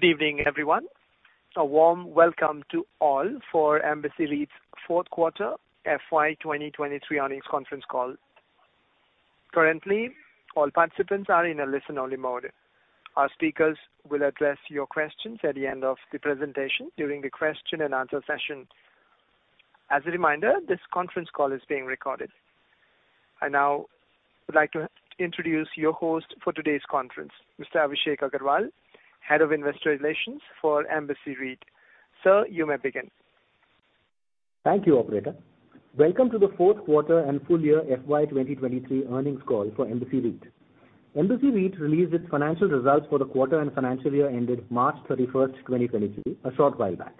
Good evening, everyone. A warm welcome to all for Embassy REIT's fourth quarter FY23 earnings conference call. Currently, all participants are in a listen-only mode. Our speakers will address your questions at the end of the presentation during the question and answer session. As a reminder, this conference call is being recorded. I now would like to introduce your host for today's conference, Mr. Abhishek Agarwal, Head of Investor Relations for Embassy REIT. Sir, you may begin. Thank you, operator. Welcome to the fourth quarter and full year FY23 earnings call for Embassy REIT. Embassy REIT released its financial results for the quarter and financial year ended March 31, 2023, a short while back.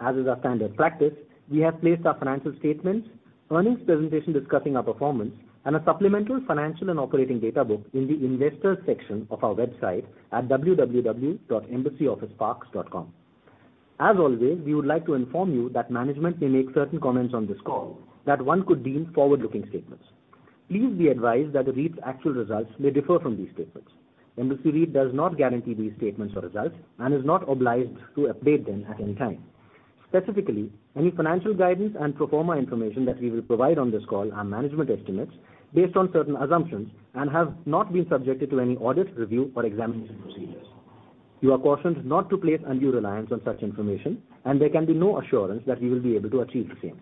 As is our standard practice, we have placed our financial statements, earnings presentation discussing our performance, and a supplemental financial and operating data book in the investors section of our website at www.embassyofficeparks.com. As always, we would like to inform you that management may make certain comments on this call that one could deem forward-looking statements. Please be advised that the REIT's actual results may differ from these statements. Embassy REIT does not guarantee these statements or results and is not obliged to update them at any time. Specifically, any financial guidance and pro forma information that we will provide on this call are management estimates based on certain assumptions and have not been subjected to any audit, review, or examination procedures. You are cautioned not to place undue reliance on such information, and there can be no assurance that we will be able to achieve the same.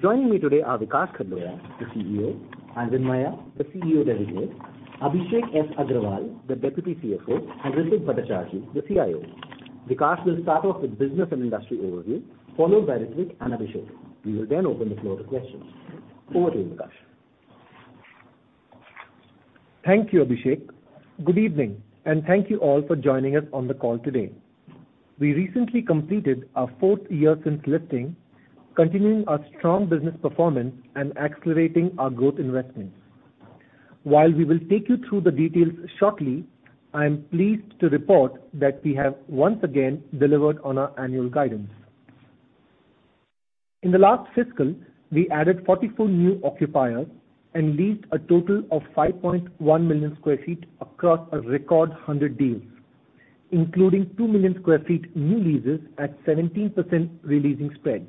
Joining me today are Vikaash Khdloya, the CEO, Aravind Maiya, the CEO Designate, Abhishek S. Agrawal, the Deputy CFO, and Ritwik Bhattacharjee, the CIO. Vikaash will start off with business and industry overview, followed by Ritwik and Abhishek. We will open the floor to questions. Over to you, Vikaash. Thank you, Abhishek. Good evening, thank you all for joining us on the call today. We recently completed our fourth year since listing, continuing our strong business performance and accelerating our growth investments. While we will take you through the details shortly, I am pleased to report that we have once again delivered on our annual guidance. In the last fiscal, we added 44 new occupiers and leased a total of 5.1 million sq ft across a record 100 deals, including 2 million sq ft new leases at 17% re-leasing spreads.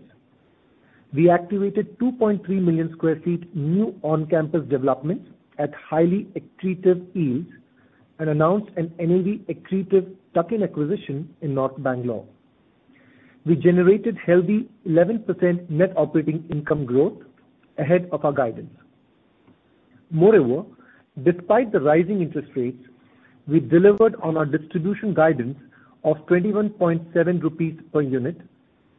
We activated 2.3 million sq ft new on-campus developments at highly accretive yields and announced an NAV accretive tuck-in acquisition in North Bengaluru. We generated healthy 11% net operating income growth ahead of our guidance. Moreover, despite the rising interest rates, we delivered on our distribution guidance of 21.7 rupees per unit,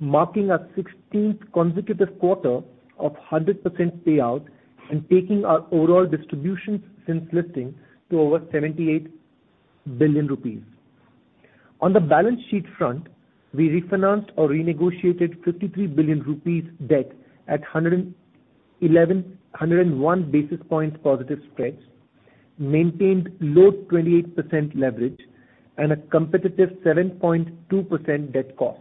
marking our 16th consecutive quarter of 100% payout and taking our overall distributions since listing to over 78 billion rupees. On the balance sheet front, we refinanced or renegotiated 53 billion rupees debt at 101 basis points positive spreads, maintained low 28% leverage and a competitive 7.2% debt cost.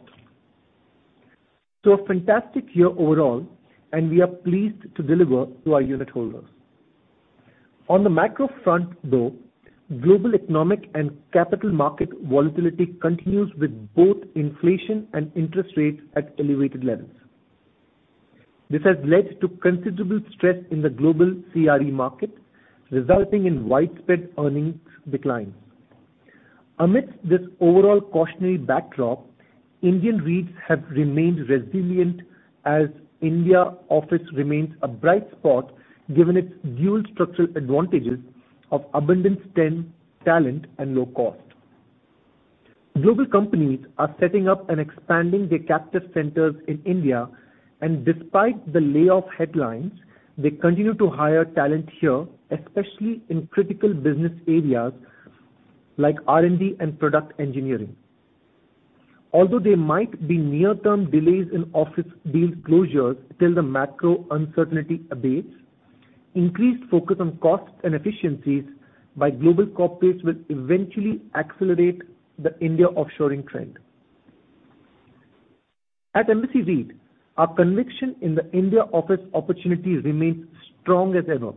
A fantastic year overall, and we are pleased to deliver to our unit holders. On the macro front, though, global economic and capital market volatility continues with both inflation and interest rates at elevated levels. This has led to considerable stress in the global CRE market, resulting in widespread earnings declines. Amidst this overall cautionary backdrop, Indian REITs have remained resilient as India office remains a bright spot, given its dual structural advantages of abundant talent and low cost. Global companies are setting up and expanding their captive centers in India. Despite the layoff headlines, they continue to hire talent here, especially in critical business areas like R&D and product engineering. Although there might be near-term delays in office deals closures till the macro uncertainty abates, increased focus on costs and efficiencies by global corporates will eventually accelerate the India offshoring trend. At Embassy REIT, our conviction in the India office opportunity remains strong as ever,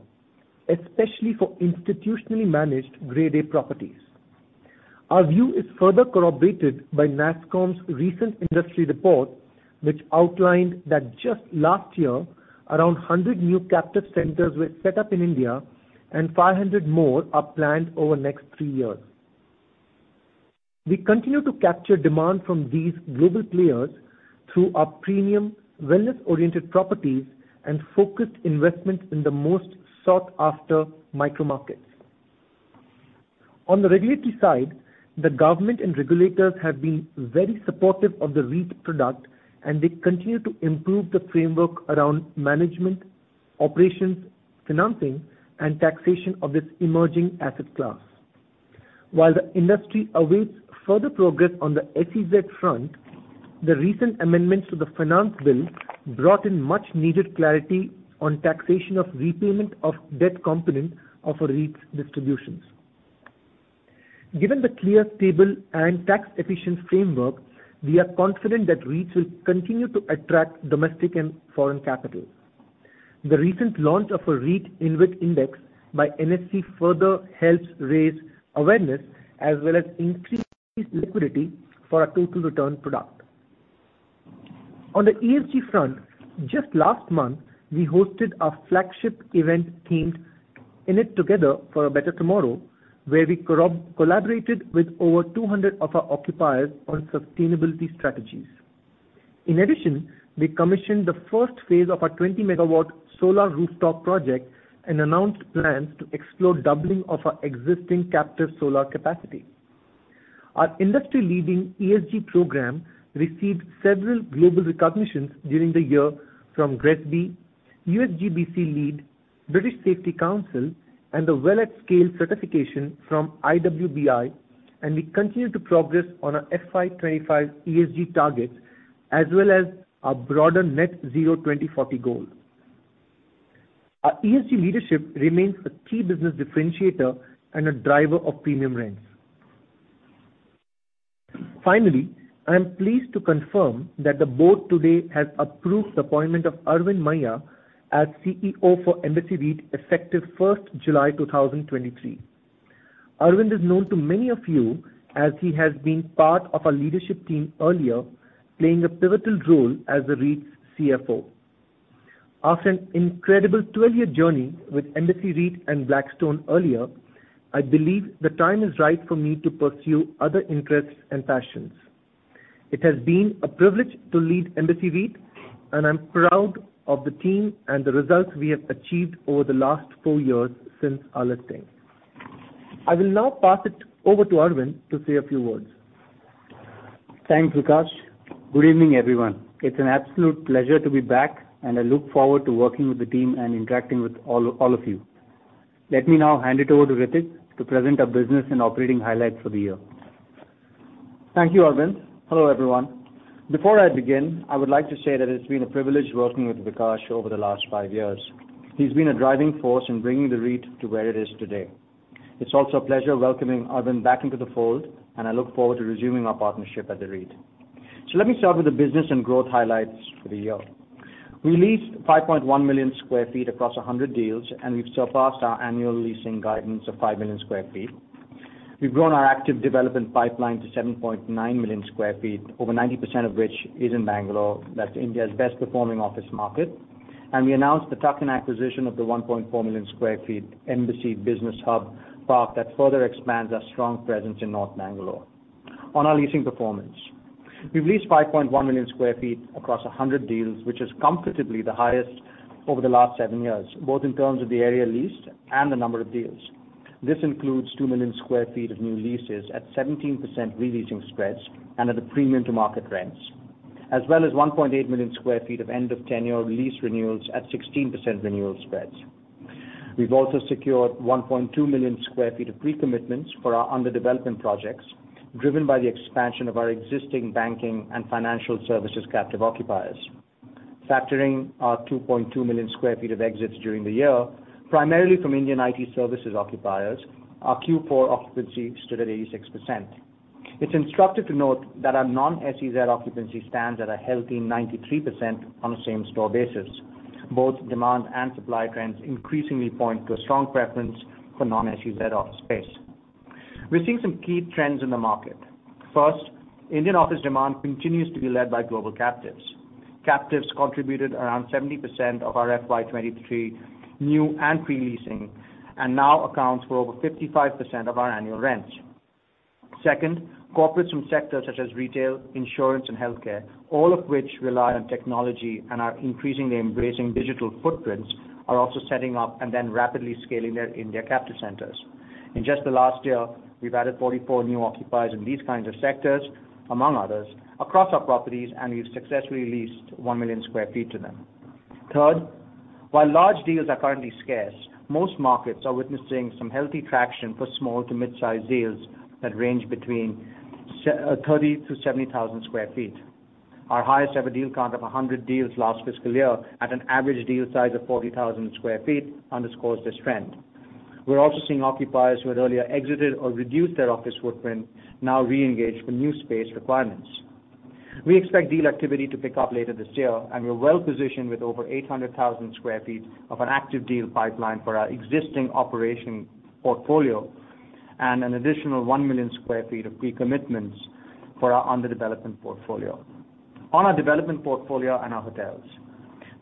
especially for institutionally managed Grade A properties. Our view is further corroborated by NASSCOM's recent industry report, which outlined that just last year, around 100 new captive centers were set up in India, and 500 more are planned over the next three years. We continue to capture demand from these global players through our premium wellness-oriented properties and focused investments in the most sought-after micro markets. On the regulatory side, the government and regulators have been very supportive of the REIT product, and they continue to improve the framework around management, operations, financing, and taxation of this emerging asset class. While the industry awaits further progress on the SEZ front, the recent amendments to the Finance Bill brought in much needed clarity on taxation of repayment of debt component of a REIT's distributions. Given the clear, stable, and tax-efficient framework, we are confident that REITs will continue to attract domestic and foreign capital. The recent launch of a REIT InvIT index by NSE further helps raise awareness as well as increase liquidity for our total return product. On the ESG front, just last month, we hosted our flagship event themed In It Together for a Better Tomorrow, where we collaborated with over 200 of our occupiers on sustainability strategies. We commissioned the first phase of our 20-megawatt solar rooftop project and announced plans to explore doubling of our existing captive solar capacity. Our industry-leading ESG program received several global recognitions during the year from GRESB, USGBC LEED, British Safety Council, and the WELL at scale certification from IWBI, and we continue to progress on our FY25 ESG targets as well as our broader net zero 2040 goal. Our ESG leadership remains a key business differentiator and a driver of premium rents. Finally, I am pleased to confirm that the board today has approved the appointment of Aravind Maiya as CEO for Embassy REIT, effective first July 2023. Aravind is known to many of you as he has been part of our leadership team earlier, playing a pivotal role as the REIT's CFO. After an incredible 12-year journey with Embassy REIT and Blackstone earlier, I believe the time is right for me to pursue other interests and passions. It has been a privilege to lead Embassy REIT, and I'm proud of the team and the results we have achieved over the last four years since our listing. I will now pass it over to Aravind to say a few words. Thanks, Vikaash. Good evening, everyone. It's an absolute pleasure to be back, and I look forward to working with the team and interacting with all of you. Let me now hand it over to Ritwik to present our business and operating highlights for the year. Thank you, Aravind. Hello, everyone. Before I begin, I would like to say that it's been a privilege working with Vikaash over the last five years. He's been a driving force in bringing the REIT to where it is today. It's also a pleasure welcoming Aravind back into the fold, and I look forward to resuming our partnership at the REIT. Let me start with the business and growth highlights for the year. We leased 5.1 million sq ft across 100 deals, and we've surpassed our annual leasing guidance of 5 million sq ft. We've grown our active development pipeline to 7.9 million sq ft, over 90% of which is in Bengaluru, that's India's best-performing office market. We announced the tuck-in acquisition of the 1.4 million sq ft Embassy Business Hub park that further expands our strong presence in North Bengaluru. On our leasing performance. We've leased 5.1 million sq ft across 100 deals, which is comfortably the highest over the last 7 years, both in terms of the area leased and the number of deals. This includes 2 million sq ft of new leases at 17% re-leasing spreads and at a premium to market rents, as well as 1.8 million sq ft of end of tenure lease renewals at 16% renewal spreads. We've also secured 1.2 million sq ft of pre-commitments for our under-development projects, driven by the expansion of our existing banking and financial services captive occupiers. Factoring our 2.2 million sq ft of exits during the year, primarily from Indian IT services occupiers, our Q4 occupancy stood at 86%. It's instructive to note that our non-SEZ occupancy stands at a healthy 93% on a same-store basis. Both demand and supply trends increasingly point to a strong preference for non-SEZ office space. We're seeing some key trends in the market. First, Indian office demand continues to be led by global captives. Captives contributed around 70% of our FY23 new and pre-leasing, and now accounts for over 55% of our annual rents. Second, corporates from sectors such as retail, insurance, and healthcare, all of which rely on technology and are increasingly embracing digital footprints, are also setting up and then rapidly scaling their India captive centers. In just the last year, we've added 44 new occupiers in these kinds of sectors, among others, across our properties, and we've successfully leased 1 million sq ft to them. Third, while large deals are currently scarce, most markets are witnessing some healthy traction for small to mid-size deals that range between 30,000-70,000 sq ft. Our highest ever deal count of 100 deals last fiscal year at an average deal size of 40,000 sq ft underscores this trend. We're also seeing occupiers who had earlier exited or reduced their office footprint now re-engage for new space requirements. We expect deal activity to pick up later this year, and we're well-positioned with over 800,000 sq ft of an active deal pipeline for our existing operation portfolio and an additional 1 million sq ft of pre-commitments for our under-development portfolio. On our development portfolio and our hotels.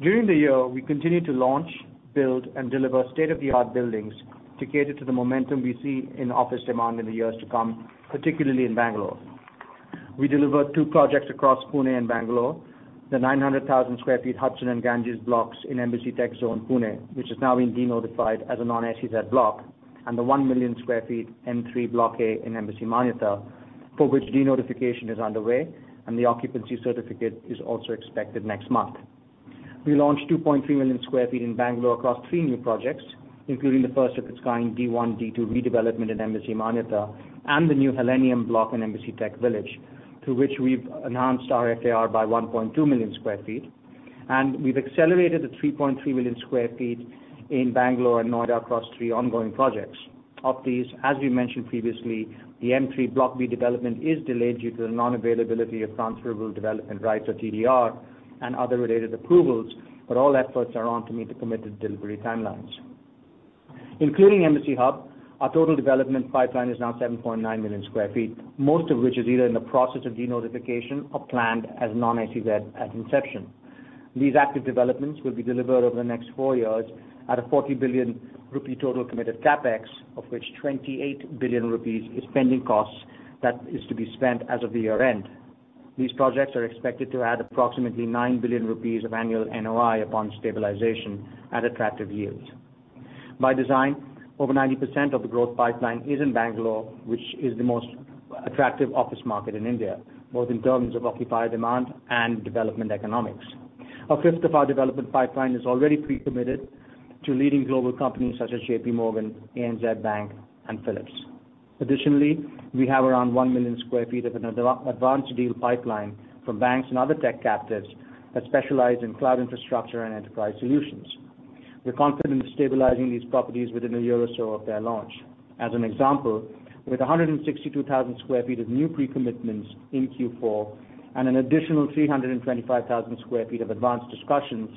During the year, we continued to launch, build, and deliver state-of-the-art buildings to cater to the momentum we see in office demand in the years to come, particularly in Bengaluru. We delivered two projects across Pune and Bangalore, the 900,000 sq ft Hudson and Ganges blocks in Embassy TechZone, Pune, which has now been denotified as a non-SEZ block, and the 1 million sq ft M3 Block A in Embassy Manyata, for which denotification is underway, and the occupancy certificate is also expected next month. We launched 2.3 million sq ft in Bangalore across three new projects, including the first-of-its-kind D1, D2 redevelopment at Embassy Manyata and the new Helenium block in Embassy TechVillage, through which we've enhanced our FAR by 1.2 million sq ft. We've accelerated the 3.3 million sq ft in Bangalore and Noida across three ongoing projects. Of these, as we mentioned previously, the M3 Block B development is delayed due to the non-availability of transferable development rights, or TDR, and other related approvals. All efforts are on to meet the committed delivery timelines. Including Embassy Hub, our total development pipeline is now 7.9 million sq ft, most of which is either in the process of denotification or planned as non-SEZ at inception. These active developments will be delivered over the next four years at a 40 billion rupee total committed CapEx, of which 28 billion rupees is pending costs that is to be spent as of year-end. These projects are expected to add approximately 9 billion rupees of annual NOI upon stabilization at attractive yields. By design, over 90% of the growth pipeline is in Bengaluru, which is the most attractive office market in India, both in terms of occupier demand and development economics. A fifth of our development pipeline is already pre-committed to leading global companies such as JPMorgan, ANZ Bank, and Philips. Additionally, we have around 1 million sq ft of an advanced deal pipeline from banks and other tech captives that specialize in cloud infrastructure and enterprise solutions. We're confident in stabilizing these properties within a year or so of their launch. As an example, with 162,000 sq ft of new pre-commitments in Q4 and an additional 325,000 sq ft of advanced discussions,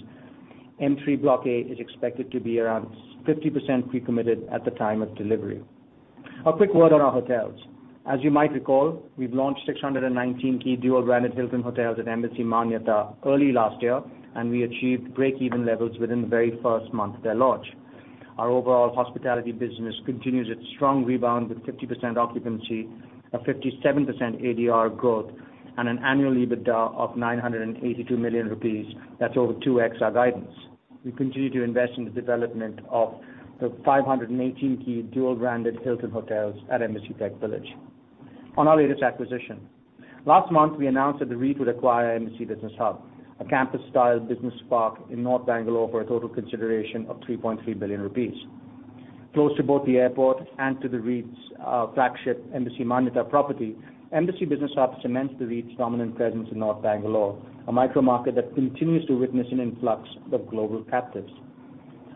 M3 Block A is expected to be around 50% pre-committed at the time of delivery. A quick word on our hotels. As you might recall, we've launched 619 key dual-branded Hilton hotels at Embassy Manyata early last year. We achieved break-even levels within the very first month of their launch. Our overall hospitality business continues its strong rebound, with 50% occupancy, a 57% ADR growth, and an annual EBITDA of 982 million rupees. That's over 2x our guidance. We continue to invest in the development of the 518 key dual-branded Hilton hotels at Embassy Tech Village. On our latest acquisition, last month we announced that the REIT would acquire Embassy Business Hub, a campus-style business park in North Bengaluru, for a total consideration of 3.3 billion rupees. Close to both the airport and to the REIT's flagship Embassy Manyata property, Embassy Business Hub cements the REIT's dominant presence in North Bengaluru, a micro market that continues to witness an influx of global captives.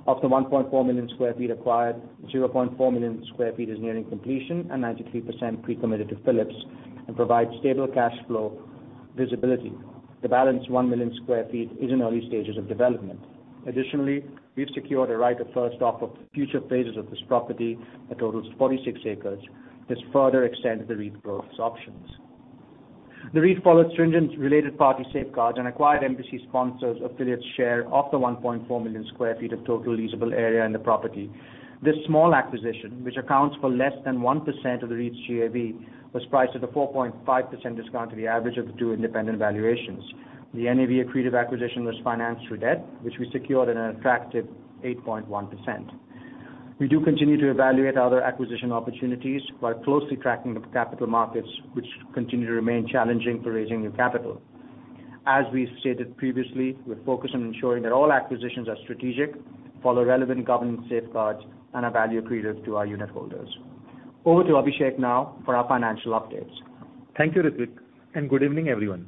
Of the 1.4 million sq ft acquired, 0.4 million sq ft is nearing completion, and 93% pre-committed to Philips and provides stable cash flow visibility. The balance, 1 million sq ft, is in early stages of development. Additionally, we've secured a right of first offer for future phases of this property that totals 46 acres. This further extends the REIT's growth options. The REIT followed stringent related party safeguards and acquired Embassy sponsors affiliates' share of the 1.4 million sq ft of total leasable area in the property. This small acquisition, which accounts for less than 1% of the REIT's GAV, was priced at a 4.5% discount to the average of the 2 independent valuations. The NAV accretive acquisition was financed through debt, which we secured at an attractive 8.1%. We do continue to evaluate other acquisition opportunities while closely tracking the capital markets, which continue to remain challenging for raising new capital. As we stated previously, we're focused on ensuring that all acquisitions are strategic, follow relevant governance safeguards, and are value accretive to our unitholders. Over to Abhishek now for our financial updates. Thank you, Ritwik. Good evening, everyone.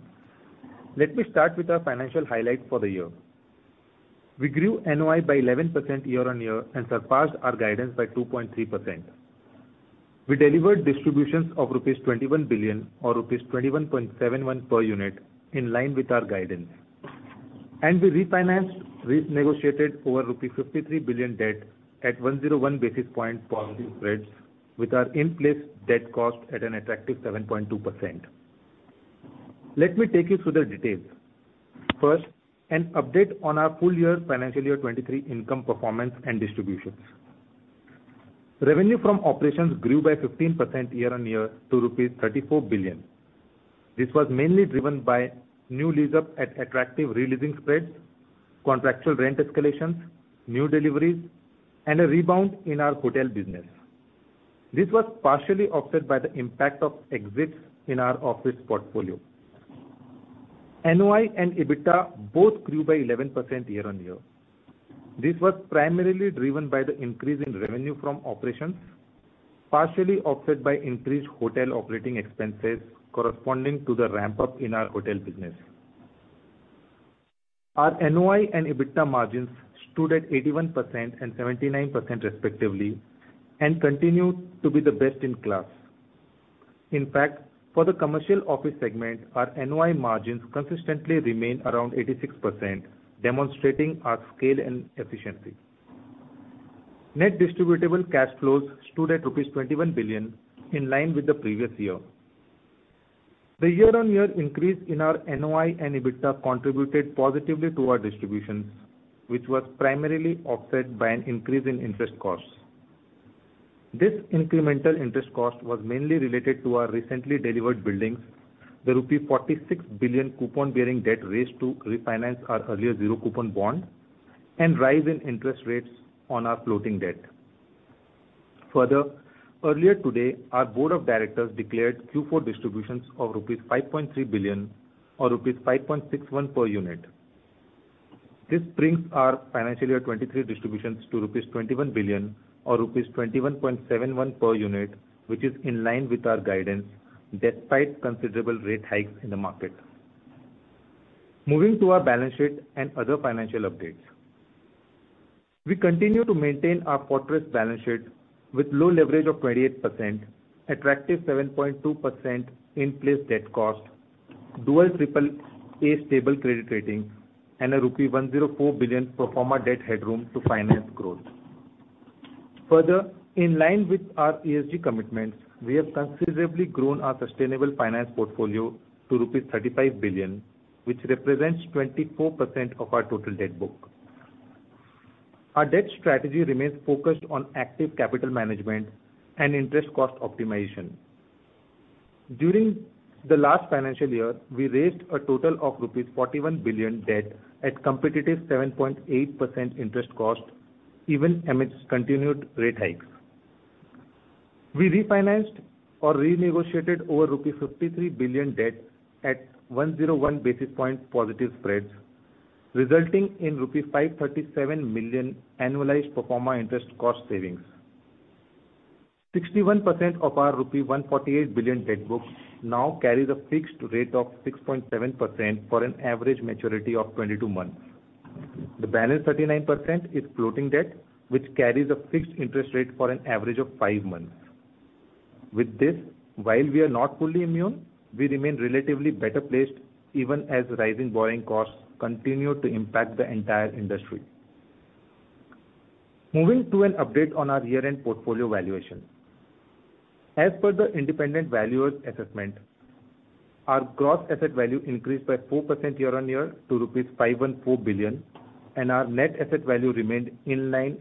Let me start with our financial highlights for the year. We grew NOI by 11% year-on-year and surpassed our guidance by 2.3%. We delivered distributions of INR 21 billion, or INR 21.71 per unit, in line with our guidance. We refinanced, renegotiated over 53 billion rupees debt at 101 basis point positive spreads, with our in-place debt cost at an attractive 7.2%. Let me take you through the details. First, an update on our full year financial year 2023 income performance and distributions. Revenue from operations grew by 15% year-on-year to rupees 34 billion. This was mainly driven by new lease-up at attractive re-leasing spreads, contractual rent escalations, new deliveries, and a rebound in our hotel business. This was partially offset by the impact of exits in our office portfolio. NOI and EBITDA both grew by 11% year-on-year. This was primarily driven by the increase in revenue from operations, partially offset by increased hotel operating expenses corresponding to the ramp-up in our hotel business. Our NOI and EBITDA margins stood at 81% and 79% respectively and continue to be the best in class. In fact, for the commercial office segment, our NOI margins consistently remain around 86%, demonstrating our scale and efficiency. Net Distributable Cash Flows stood at rupees 21 billion, in line with the previous year. The year-on-year increase in our NOI and EBITDA contributed positively to our distributions, which was primarily offset by an increase in interest costs. This incremental interest cost was mainly related to our recently delivered buildings, the rupee 46 billion coupon-bearing debt raised to refinance our earlier zero-coupon bond, and rise in interest rates on our floating debt. Earlier today, our board of directors declared Q4 distributions of rupees 5.3 billion, or rupees 5.61 per unit. This brings our financial year 23 distributions to rupees 21 billion or rupees 21.71 per unit, which is in line with our guidance despite considerable rate hikes in the market. Moving to our balance sheet and other financial updates. We continue to maintain our fortress balance sheet with low leverage of 28%, attractive 7.2% in place debt cost, dual triple A stable credit rating, and a rupee 104 billion pro forma debt headroom to finance growth. Further, in line with our ESG commitments, we have considerably grown our sustainable finance portfolio to rupees 35 billion, which represents 24% of our total debt book. Our debt strategy remains focused on active capital management and interest cost optimization. During the last financial year, we raised a total of rupees 41 billion debt at competitive 7.8% interest cost even amidst continued rate hikes. We refinanced or renegotiated over rupees 53 billion debt at 101 basis point positive spreads, resulting in 537 million rupees annualized pro forma interest cost savings. 61% of our rupee 148 billion debt book now carries a fixed rate of 6.7% for an average maturity of 22 months. The balance 39% is floating debt, which carries a fixed interest rate for an average of five months. With this, while we are not fully immune, we remain relatively better placed, even as rising borrowing costs continue to impact the entire industry. Moving to an update on our year-end portfolio valuation. As per the independent valuer's assessment, our gross asset value increased by 4% year-on-year to rupees 514 billion, and our net asset value remained in line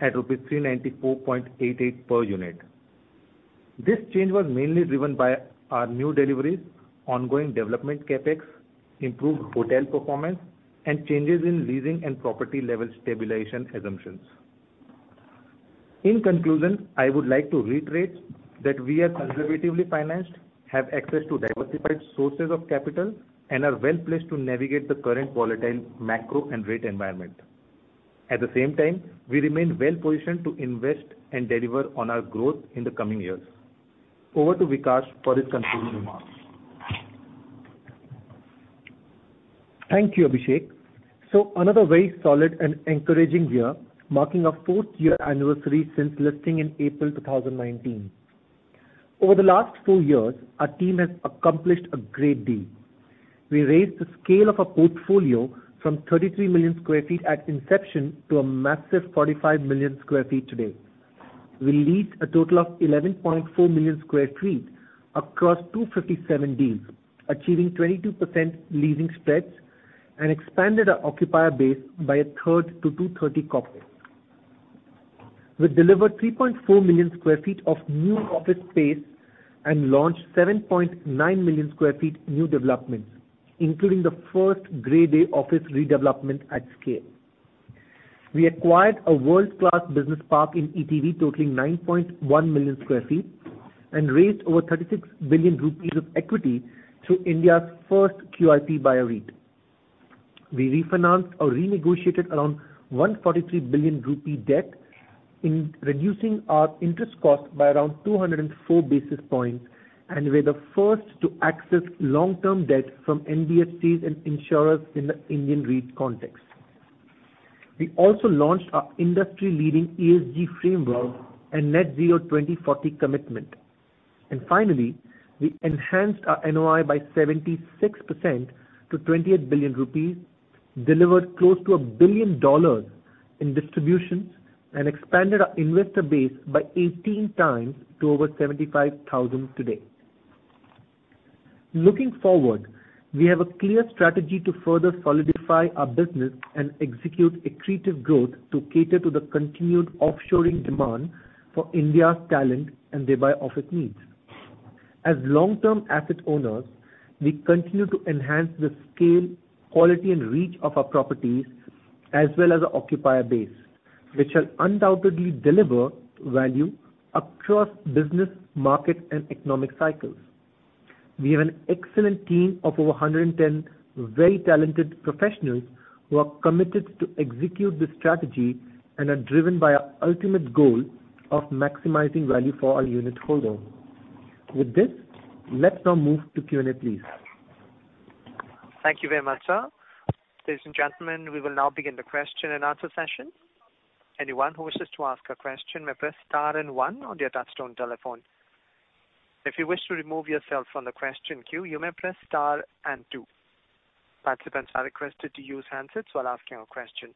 at rupees 394.88 per unit. This change was mainly driven by our new deliveries, ongoing development CapEx, improved hotel performance, and changes in leasing and property level stabilization assumptions. In conclusion, I would like to reiterate that we are conservatively financed, have access to diversified sources of capital, and are well-placed to navigate the current volatile macro and rate environment. At the same time, we remain well-positioned to invest and deliver on our growth in the coming years. Over to Vikaash for his concluding remarks. Thank you, Abhishek. Another very solid and encouraging year, marking our fourth year anniversary since listing in April 2019. Over the last four years, our team has accomplished a great deal. We raised the scale of our portfolio from 33 million sq ft at inception to a massive 45 million sq ft today. We leased a total of 11.4 million sq ft across 257 deals, achieving 22% leasing spreads and expanded our occupier base by a third to 230 corporates. We delivered 3.4 million sq ft of new office space and launched 7.9 million sq ft new developments, including the first Grade A office redevelopment at scale. We acquired a world-class business park in ETV totaling 9.1 million sq ft and raised over 36 billion rupees of equity through India's first QIP buyer REIT. We refinanced or renegotiated around 143 billion rupee debt in reducing our interest cost by around 204 basis points. We're the first to access long-term debt from NBFCs and insurers in the Indian REIT context. We also launched our industry-leading ESG framework and net zero 2040 commitment. Finally, we enhanced our NOI by 76% to 28 billion rupees, delivered close to $1 billion in distributions, and expanded our investor base by 18x to over 75,000 today. Looking forward, we have a clear strategy to further solidify our business and execute accretive growth to cater to the continued offshoring demand for India's talent and thereby office needs. As long-term asset owners, we continue to enhance the scale, quality, and reach of our properties as well as our occupier base, which shall undoubtedly deliver value across business, market, and economic cycles. We have an excellent team of over 110 very talented professionals who are committed to execute this strategy and are driven by our ultimate goal of maximizing value for our unitholders. With this, let's now move to Q&A, please. Thank you very much, sir. Ladies and gentlemen, we will now begin the question and answer session. Anyone who wishes to ask a question may press star and one on your touchtone telephone. If you wish to remove yourself from the question queue, you may press star and two. Participants are requested to use handsets while asking a question.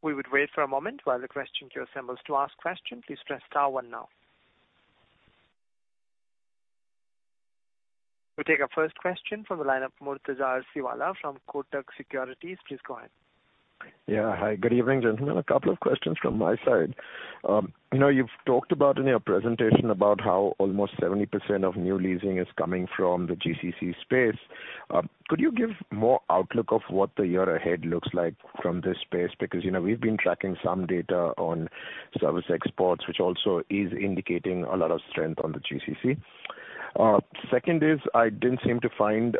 We would wait for a moment while the question queue assembles to ask question. Please press star one now. We take our first question from the line of Murtuza Arsiwalla from Kotak Securities. Please go ahead. Yeah. Hi, good evening, gentlemen. A couple of questions from my side. You know, you've talked about in your presentation about how almost 70% of new leasing is coming from the GCC space. Could you give more outlook of what the year ahead looks like from this space? You know, we've been tracking some data on service exports, which also is indicating a lot of strength on the GCC. Second is I didn't seem to find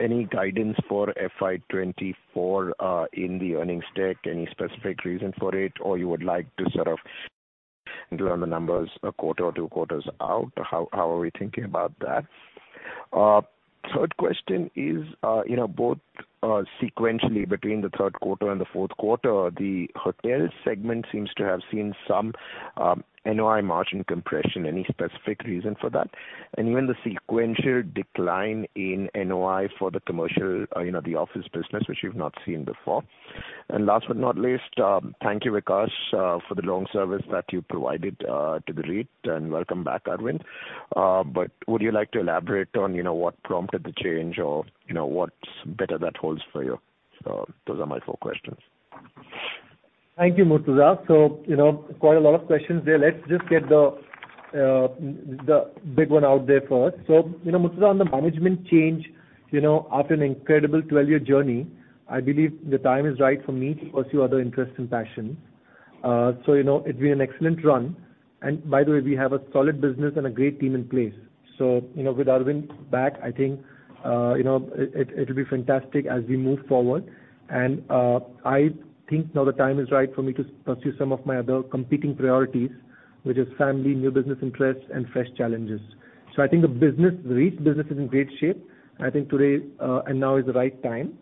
any guidance for FY24 in the earnings deck. Any specific reason for it, or you would like to sort of do all the numbers a quarter or two quarters out? How are we thinking about that? Third question is, you know, both sequentially between the third quarter and the fourth quarter, the hotel segment seems to have seen some NOI margin compression. Any specific reason for that? Even the sequential decline in NOI for the commercial, you know, the office business, which we've not seen before. Last but not least, thank you, Vikaash, for the long service that you provided, to the REIT, and welcome back, Aravind. Would you like to elaborate on, you know, what prompted the change or, you know, what's better that holds for you? Those are my four questions. Thank you, Murtuza. You know, quite a lot of questions there. Let's just get the big one out there first. You know, Murtuza, on the management change, you know, after an incredible 12-year journey, I believe the time is right for me to pursue other interests and passions. You know, it's been an excellent run, and by the way, we have a solid business and a great team in place. You know, with Aravind back, I think, you know, it'll be fantastic as we move forward. I think now the time is right for me to pursue some of my other competing priorities, which is family, new business interests, and fresh challenges. I think the business, the REIT business is in great shape. I think today, now is the right time.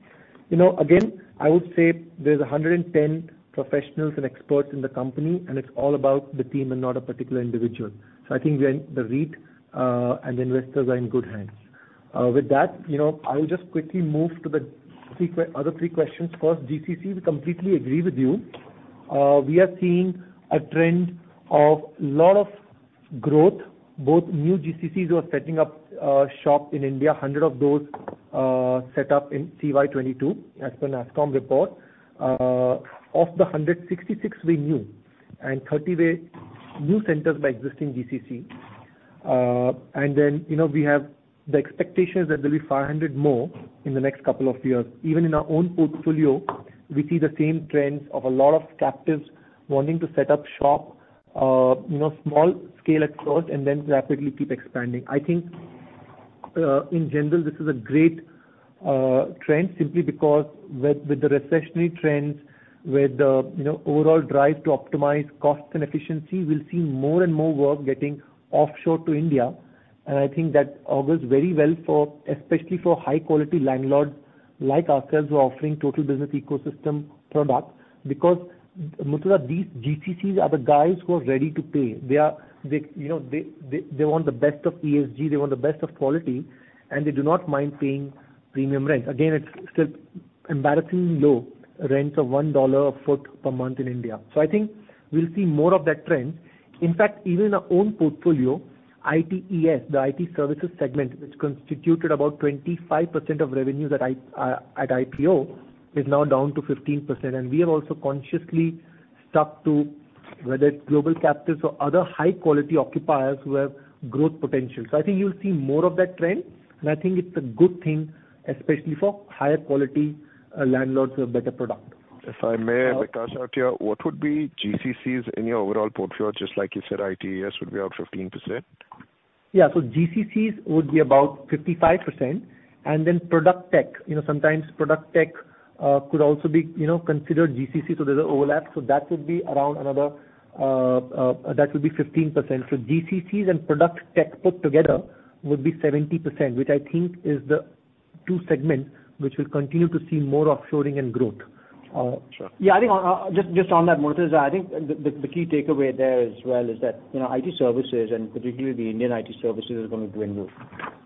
You know, again, I would say there's 110 professionals and experts in the company, it's all about the team and not a particular individual. I think the REIT and investors are in good hands. With that, you know, I'll just quickly move to the three other three questions. GCC, we completely agree with you. We are seeing a trend of lot of growth, both new GCCs who are setting up shop in India, 100 of those set up in CY 2022, as per NASSCOM report. Of the 100, 66 were new and 30 were new centers by existing GCC. Then, you know, we have the expectations that there'll be 500 more in the next couple of years. Even in our own portfolio, we see the same trends of a lot of captives wanting to set up shop, you know, small scale at first and then rapidly keep expanding. I think, in general, this is a great trend simply because with the recessionary trends, with the, you know, overall drive to optimize costs and efficiency, we'll see more and more work getting offshore to India. I think that bodes very well for, especially for high quality landlords like ourselves who are offering total business ecosystem product because, Murtuza, these GCCs are the guys who are ready to pay. They, you know, they want the best of ESG, they want the best of quality, and they do not mind paying premium rent. Again, it's still embarrassingly low rents of $1 a foot per month in India. I think we'll see more of that trend. In fact, even in our own portfolio, ITES, the IT services segment, which constituted about 25% of revenues at IPO, is now down to 15%. We have also consciously stuck to whether it's global captives or other high-quality occupiers who have growth potential. I think you'll see more of that trend, and I think it's a good thing, especially for higher-quality landlords with better product. If I may, Vikaash Khdloya, what would be GCCs in your overall portfolio? Just like you said, ITES would be around 15%. Yeah. GCCs would be about 55%. product tech, you know, sometimes product tech could also be, you know, considered GCC, there's an overlap. That would be around another that would be 15%. GCCs and product tech put together would be 70%, which I think is the two segments which will continue to see more offshoring and growth. Sure. I think on just on that, Murtuza, I think the key takeaway there as well is that, you know, IT services and particularly the Indian IT services is gonna dwindle,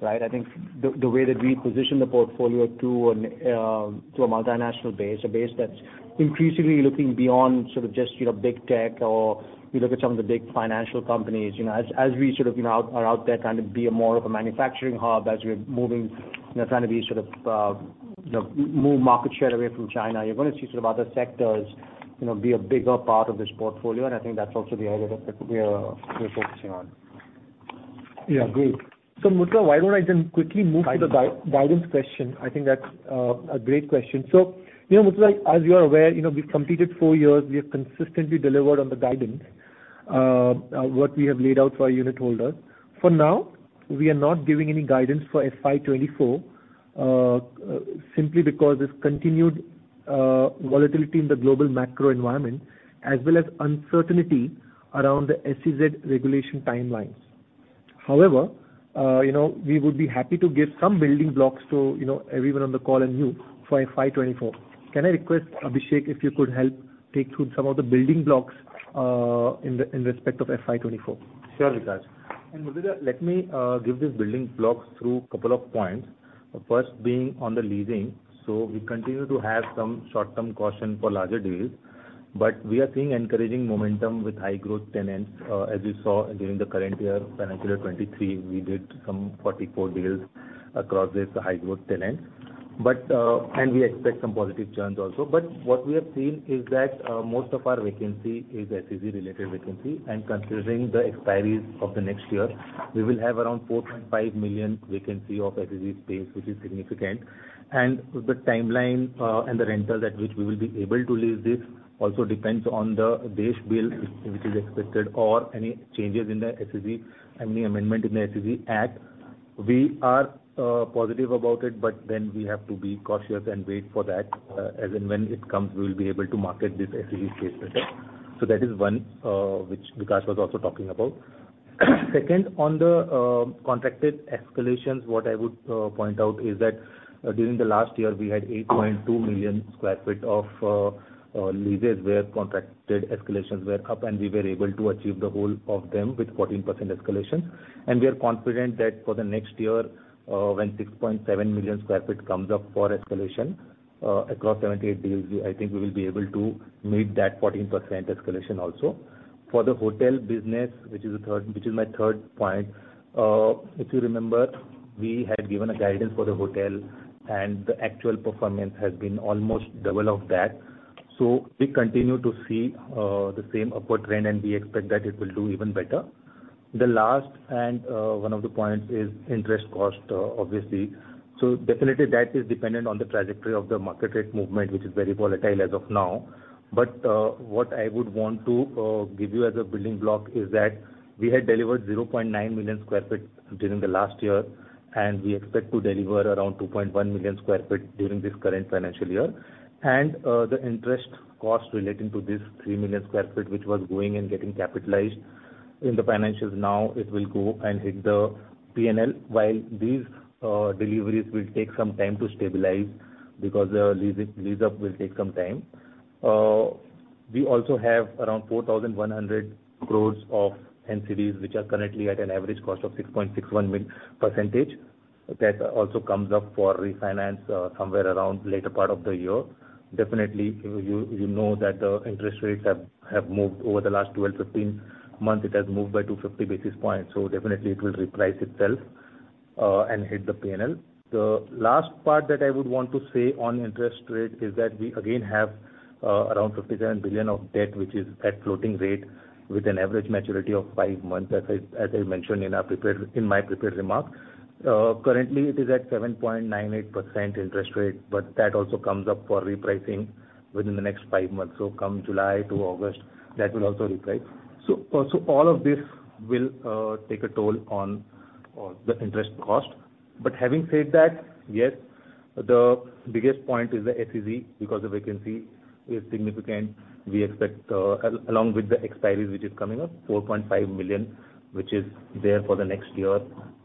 right? I think the way that we position the portfolio to a multinational base, a base that's increasingly looking beyond sort of just, you know, big tech or you look at some of the big financial companies, you know, as we sort of, you know, are out there trying to be a more of a manufacturing hub as we're moving, you know, trying to be sort of, you know, move market share away from China, you're gonna see sort of other sectors, you know, be a bigger part of this portfolio, and I think that's also the area that we're focusing on. Yeah, great. Murtuza, why don't I then quickly move to the guidance question? I think that's a great question. You know, Murtuza, as you are aware, you know, we've completed four years. We have consistently delivered on the guidance what we have laid out for our unit holders. For now, we are not giving any guidance for FY24 simply because this continued volatility in the global macro environment as well as uncertainty around the SEZ regulation timelines. However, you know, we would be happy to give some building blocks to, you know, everyone on the call and you for FY24. Can I request, Abhishek, if you could help take through some of the building blocks in respect of FY24? Sure, Vikaash. Murtuza, let me give these building blocks through 2 points. First being on the leasing. We continue to have some short-term caution for larger deals, but we are seeing encouraging momentum with high growth tenants. As you saw during the current year, financial year 2023, we did some 44 deals across this high growth tenants. We expect some positive churns also. What we have seen is that most of our vacancy is SEZ related vacancy, and considering the expiries of the next year, we will have around 4.5 million vacancy of SEZ space, which is significant. The timeline, and the rentals at which we will be able to lease this also depends on the DESH Bill, which is expected or any changes in the SEZ and the amendment in the SEZ Act. We are positive about it, we have to be cautious and wait for that. As in when it comes, we'll be able to market this SEZ case better. That is one, which Vikaash was also talking about. Second, on the contracted escalations, what I would point out is that during the last year we had 8.2 million sq ft of leases where contracted escalations were up, and we were able to achieve the whole of them with 14% escalation. We are confident that for the next year, when 6.7 million sq ft comes up for escalation, across 78 deals, I think we will be able to meet that 14% escalation also. For the hotel business, which is my third point, if you remember, we had given a guidance for the hotel, and the actual performance has been almost double of that. We continue to see the same upward trend, and we expect that it will do even better. The last and one of the points is interest cost, obviously. Definitely that is dependent on the trajectory of the market rate movement, which is very volatile as of now. What I would want to give you as a building block is that we had delivered 0.9 million sq ft during the last year, and we expect to deliver around 2.1 million sq ft during this current financial year. The interest cost relating to this 3 million square foot, which was growing and getting capitalized in the financials now, it will go and hit the PNL while these deliveries will take some time to stabilize because the lease up will take some time. We also have around 4,100 crore of NCDs, which are currently at an average cost of 6.61%. That also comes up for refinance somewhere around later part of the year. Definitely you know that the interest rates have moved over the last 12, 15 months. It has moved by 250 basis points, so definitely it will reprice itself and hit the PNL. The last part that I would want to say on interest rate is that we again have around 57 billion of debt, which is at floating rate with an average maturity of five months, as I mentioned in my prepared remarks. Currently it is at 7.98% interest rate, but that also comes up for repricing within the next five months. Come July to August, that will also reprice. All of this will take a toll on the interest cost. Having said that, yes, the biggest point is the SEZ because the vacancy is significant. We expect, along with the expiries which is coming up, 4.5 million, which is there for the next year.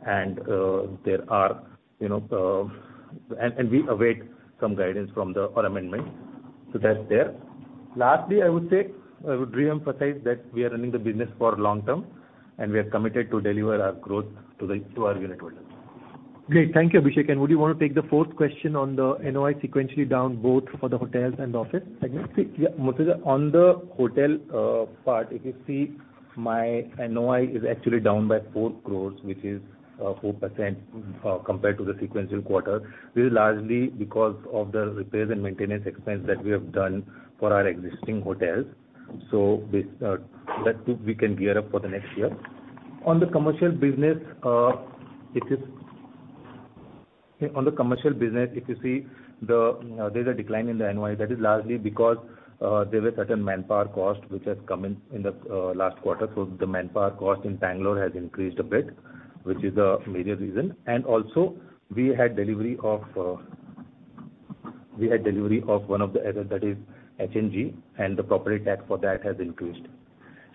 There are, you know, we await some guidance from the, or amendment, so that's there. Lastly, I would say, I would reemphasize that we are running the business for long term, and we are committed to deliver our growth to the, to our unit holders. Great. Thank you, Abhishek. Would you wanna take the 4th question on the NOI sequentially down both for the hotels and the office again? Yeah. Murtuza, on the hotel part, if you see my NOI is actually down by 4 crores, which is 4% compared to the sequential quarter. This is largely because of the repairs and maintenance expense that we have done for our existing hotels. That we can gear up for the next year. On the commercial business, if you see the, there's a decline in the NOI. That is largely because, there were certain manpower costs which has come in the last quarter. The manpower cost in Bengaluru has increased a bit, which is a major reason. Also we had delivery of one of the asset that is HNG, and the property tax for that has increased.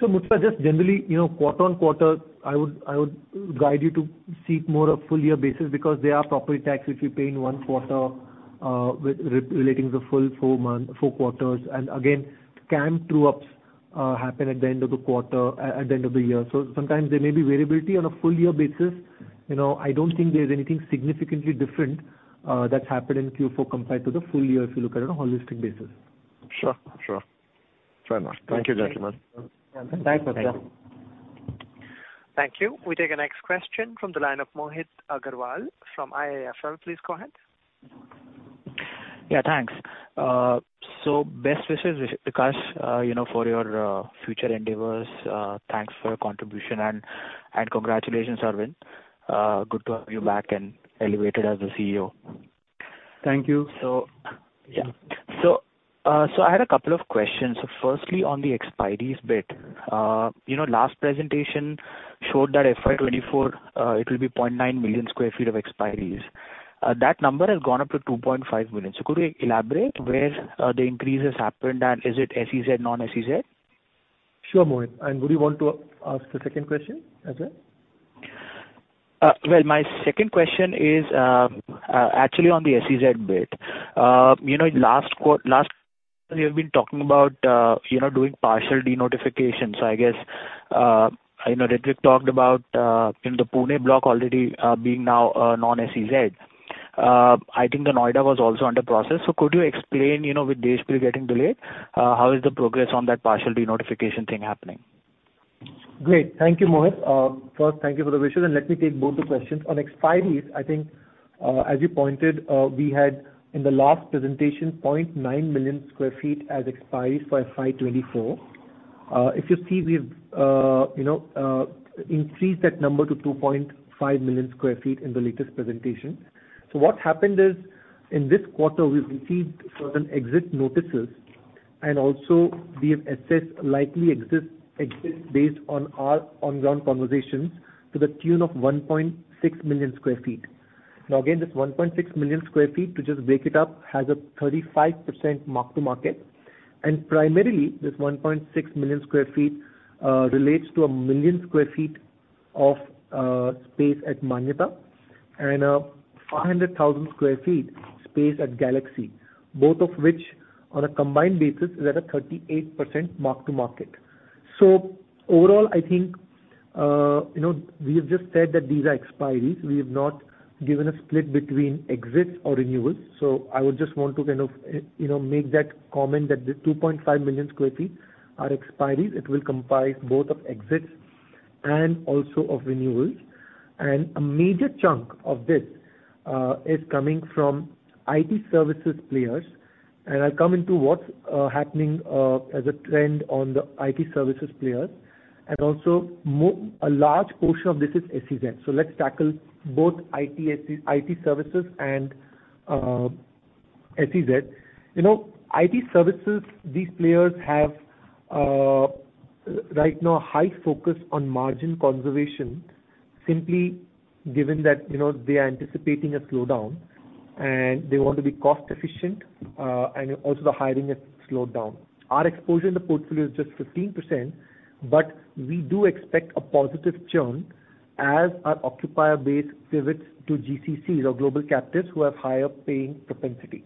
Murtuza, just generally, you know, quarter on quarter, I would guide you to seek more a full year basis because there are property tax which you pay in one quarter, with re-relating the full four month, four quarters. Again, CAM true-ups happen at the end of the quarter, at the end of the year. Sometimes there may be variability on a full year basis. You know, I don't think there's anything significantly different that's happened in Q4 compared to the full year if you look at it on a holistic basis. Sure. Sure. Fair enough. Thank you, gentlemen. Thank you. Thank you. Thank you. We take the next question from the line of Mohit Agrawal from IIFL. Please go ahead. Yeah, thanks. Best wishes, Vikaash, you know, for your future endeavors. Thanks for your contribution. Congratulations, Aravind. Good to have you back and elevated as the CEO. Thank you. Yeah. I had a couple of questions. Firstly, on the expiries bit. You know, last presentation showed that FY24, it will be 0.9 million sq ft of expiries. That number has gone up to 2.5 million. Could we elaborate where the increase has happened, and is it SEZ, non-SEZ? Sure, Mohit. Would you want to ask the second question as well? Well, my second question is, actually on the SEZ bit. You know, last you've been talking about, you know, doing partial denotification. I guess, I know Ritwik talked about, you know, the Pune block already, being now a non-SEZ. I think the Noida was also under process. Could you explain, you know, with DESH Bill getting delayed, how is the progress on that partial denotification thing happening? Great. Thank you, Mohit. First, thank you for the wishes, and let me take both the questions. On expiries, I think, as you pointed, we had in the last presentation 0.9 million sq ft as expiries for FY24. If you see, we've, you know, increased that number to 2.5 million sq ft in the latest presentation. What happened is, in this quarter we've received certain exit notices. Also, we have assessed likely exist based on our on ground conversations to the tune of 1.6 million sq ft. Again, this 1.6 million sq ft, to just break it up, has a 35% mark-to-market, and primarily this 1.6 million sq ft relates to 1 million sq ft of space at Manyata and 500,000 sq ft space at Galaxy, both of which on a combined basis is at a 38% mark-to-market. Overall, I think, you know, we have just said that these are expiries. We have not given a split between exits or renewals. I would just want to kind of, you know, make that comment that the 2.5 million sq ft are expiries. It will comprise both of exits and also of renewals. A major chunk of this is coming from IT services players. I'll come into what's happening as a trend on the IT services players. Also a large portion of this is SEZ. Let's tackle both IT services and SEZ. You know, IT services, these players have right now high focus on margin conservation simply given that, you know, they are anticipating a slowdown, and they want to be cost efficient, and also the hiring has slowed down. Our exposure in the portfolio is just 15%, but we do expect a positive churn as our occupier base pivots to GCCs or global captives who have higher paying propensity.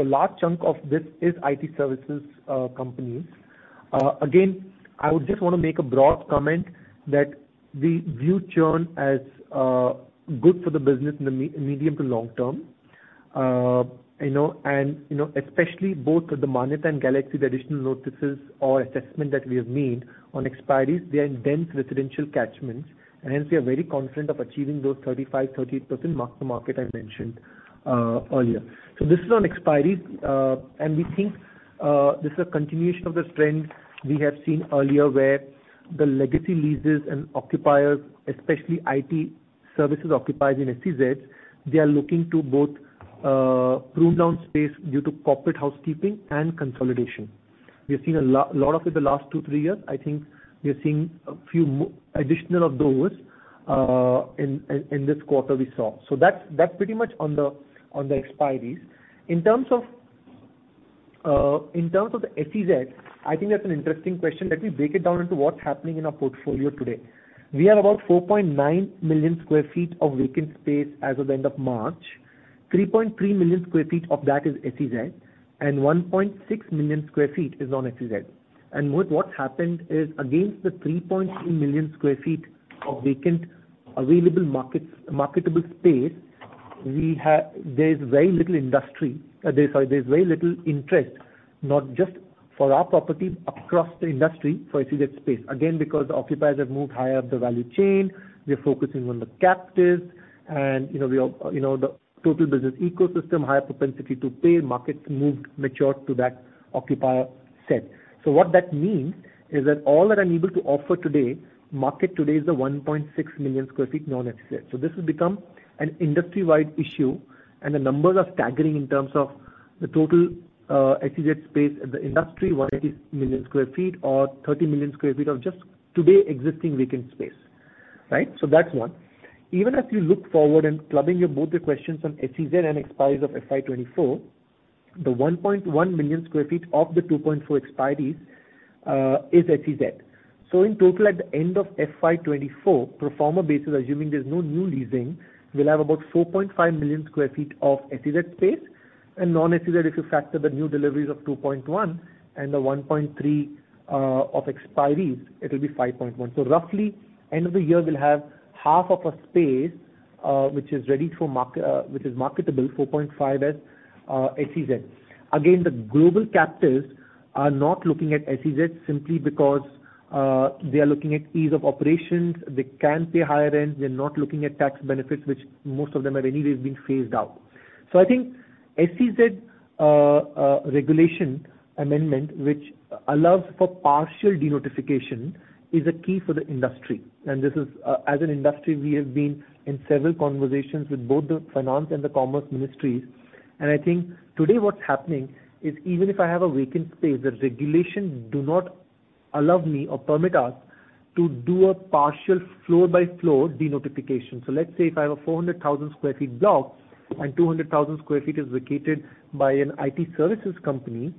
Large chunk of this is IT services companies. Again, I would just wanna make a broad comment that we view churn as good for the business in the medium to long term. You know, you know, especially both at the Manyata and Galaxy, the additional notices or assessment that we have made on expiries, they are dense residential catchments, and hence we are very confident of achieving those 35%, 30% mark-to-market I mentioned earlier. This is on expiries. We think this is a continuation of the trend we have seen earlier, where the legacy leases and occupiers, especially IT services occupiers in SEZs, they are looking to both prune down space due to corporate housekeeping and consolidation. We have seen a lot of it the last two, three years. I think we are seeing a few additional of those in this quarter we saw. That's pretty much on the, on the expiries. In terms of, in terms of the SEZ, I think that's an interesting question. Let me break it down into what's happening in our portfolio today. We have about 4.9 million sq ft of vacant space as of the end of March. 3.3 million sq ft of that is SEZ, and 1.6 million sq ft is non-SEZ. Mohit, what's happened is against the 3.3 million sq ft of vacant available marketable space, there's very little industry. There's very little interest, not just for our property, across the industry for SEZ space. Because the occupiers have moved higher up the value chain, we are focusing on the captives and, you know, the total business ecosystem, higher propensity to pay, markets moved, matured to that occupier set. What that means is that all that I'm able to offer today, market today is the 1.6 million sq ft non-SEZ. This has become an industry-wide issue, and the numbers are staggering in terms of the total SEZ space at the industry, 180 million sq ft or 30 million sq ft of just today existing vacant space, right? That's one. Even as we look forward and clubbing your both the questions on SEZ and expiries of FY24, the 1.1 million sq ft of the 2.4 expiries is SEZ. In total, at the end of FY24, pro forma basis, assuming there's no new leasing, we'll have about 4.5 million sq ft of SEZ space. Non-SEZ, if you factor the new deliveries of 2.1 and the 1.3 of expiries, it'll be 5.1. Roughly end of the year we'll have half of our space which is ready for marketable, 4.5 as SEZ. The global captives are not looking at SEZ simply because they are looking at ease of operations. They can't pay higher rent. They're not looking at tax benefits, which most of them have anyways been phased out. I think SEZ regulation amendment, which allows for partial denotification, is a key for the industry. This is, as an industry, we have been in several conversations with both the Finance and the Commerce Ministries. I think today what's happening is even if I have a vacant space, the regulations do not allow me or permit us to do a partial floor-by-floor denotification. Let's say if I have a 400,000 sq ft block and 200,000 sq ft is vacated by an IT services company,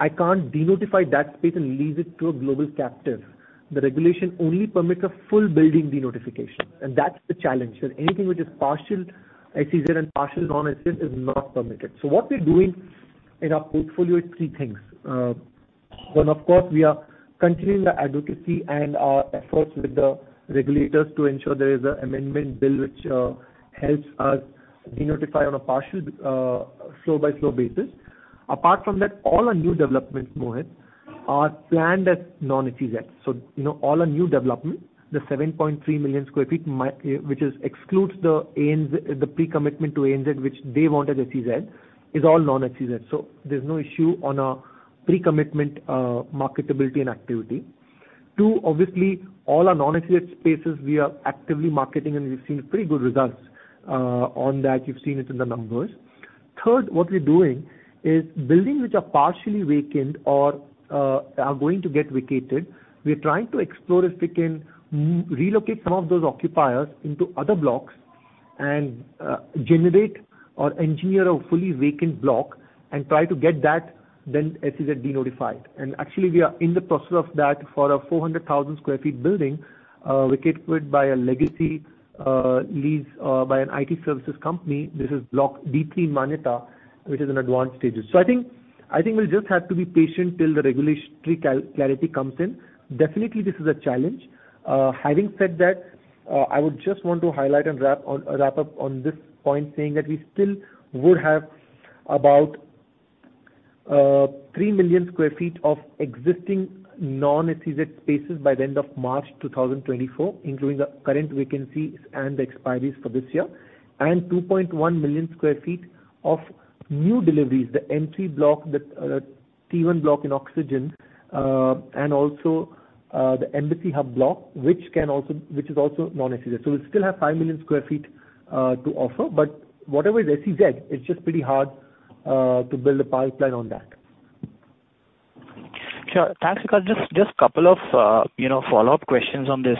I can't denotify that space and lease it to a global captive. The regulation only permits a full building denotification. That's the challenge. Anything which is partial SEZ and partial non-SEZ is not permitted. What we're doing in our portfolio is three things. One, of course, we are continuing the advocacy and our efforts with the regulators to ensure there is an amendment bill which helps us denotify on a partial, floor-by-floor basis. Apart from that, all our new developments, Mohit, are planned as non-SEZ. you know, all our new development, the 7.3 million sq ft, which is excludes the ANZ, the pre-commitment to ANZ, which they wanted SEZ, is all non-SEZ. there's no issue on our pre-commitment, marketability and activity. Obviously, all our non-SEZ spaces we are actively marketing, and we've seen pretty good results on that. You've seen it in the numbers. Third, what we're doing is buildings which are partially vacant or are going to get vacated, we are trying to explore if we can relocate some of those occupiers into other blocks and generate or engineer a fully vacant block and try to get that then SEZ denotified. Actually, we are in the process of that for a 400,000 sq ft building vacated by a legacy lease by an IT services company. This is block D3 Manyata, which is in advanced stages. I think we'll just have to be patient till the regulatory clarity comes in. Definitely, this is a challenge. Having said that, I would just want to highlight and wrap up on this point saying that we still would have about 3 million sq ft of existing non-SEZ spaces by the end of March 2024, including the current vacancies and the expiries for this year, and 2.1 million sq ft of new deliveries, the M3 block, the T1 block in Oxygen, and also the Embassy Hub block, which is also non-SEZ. We'll still have 5 million sq ft to offer, but whatever is SEZ, it's just pretty hard to build a pipeline on that. Sure. Thanks, Vikaash. Just couple of, you know, follow-up questions on this.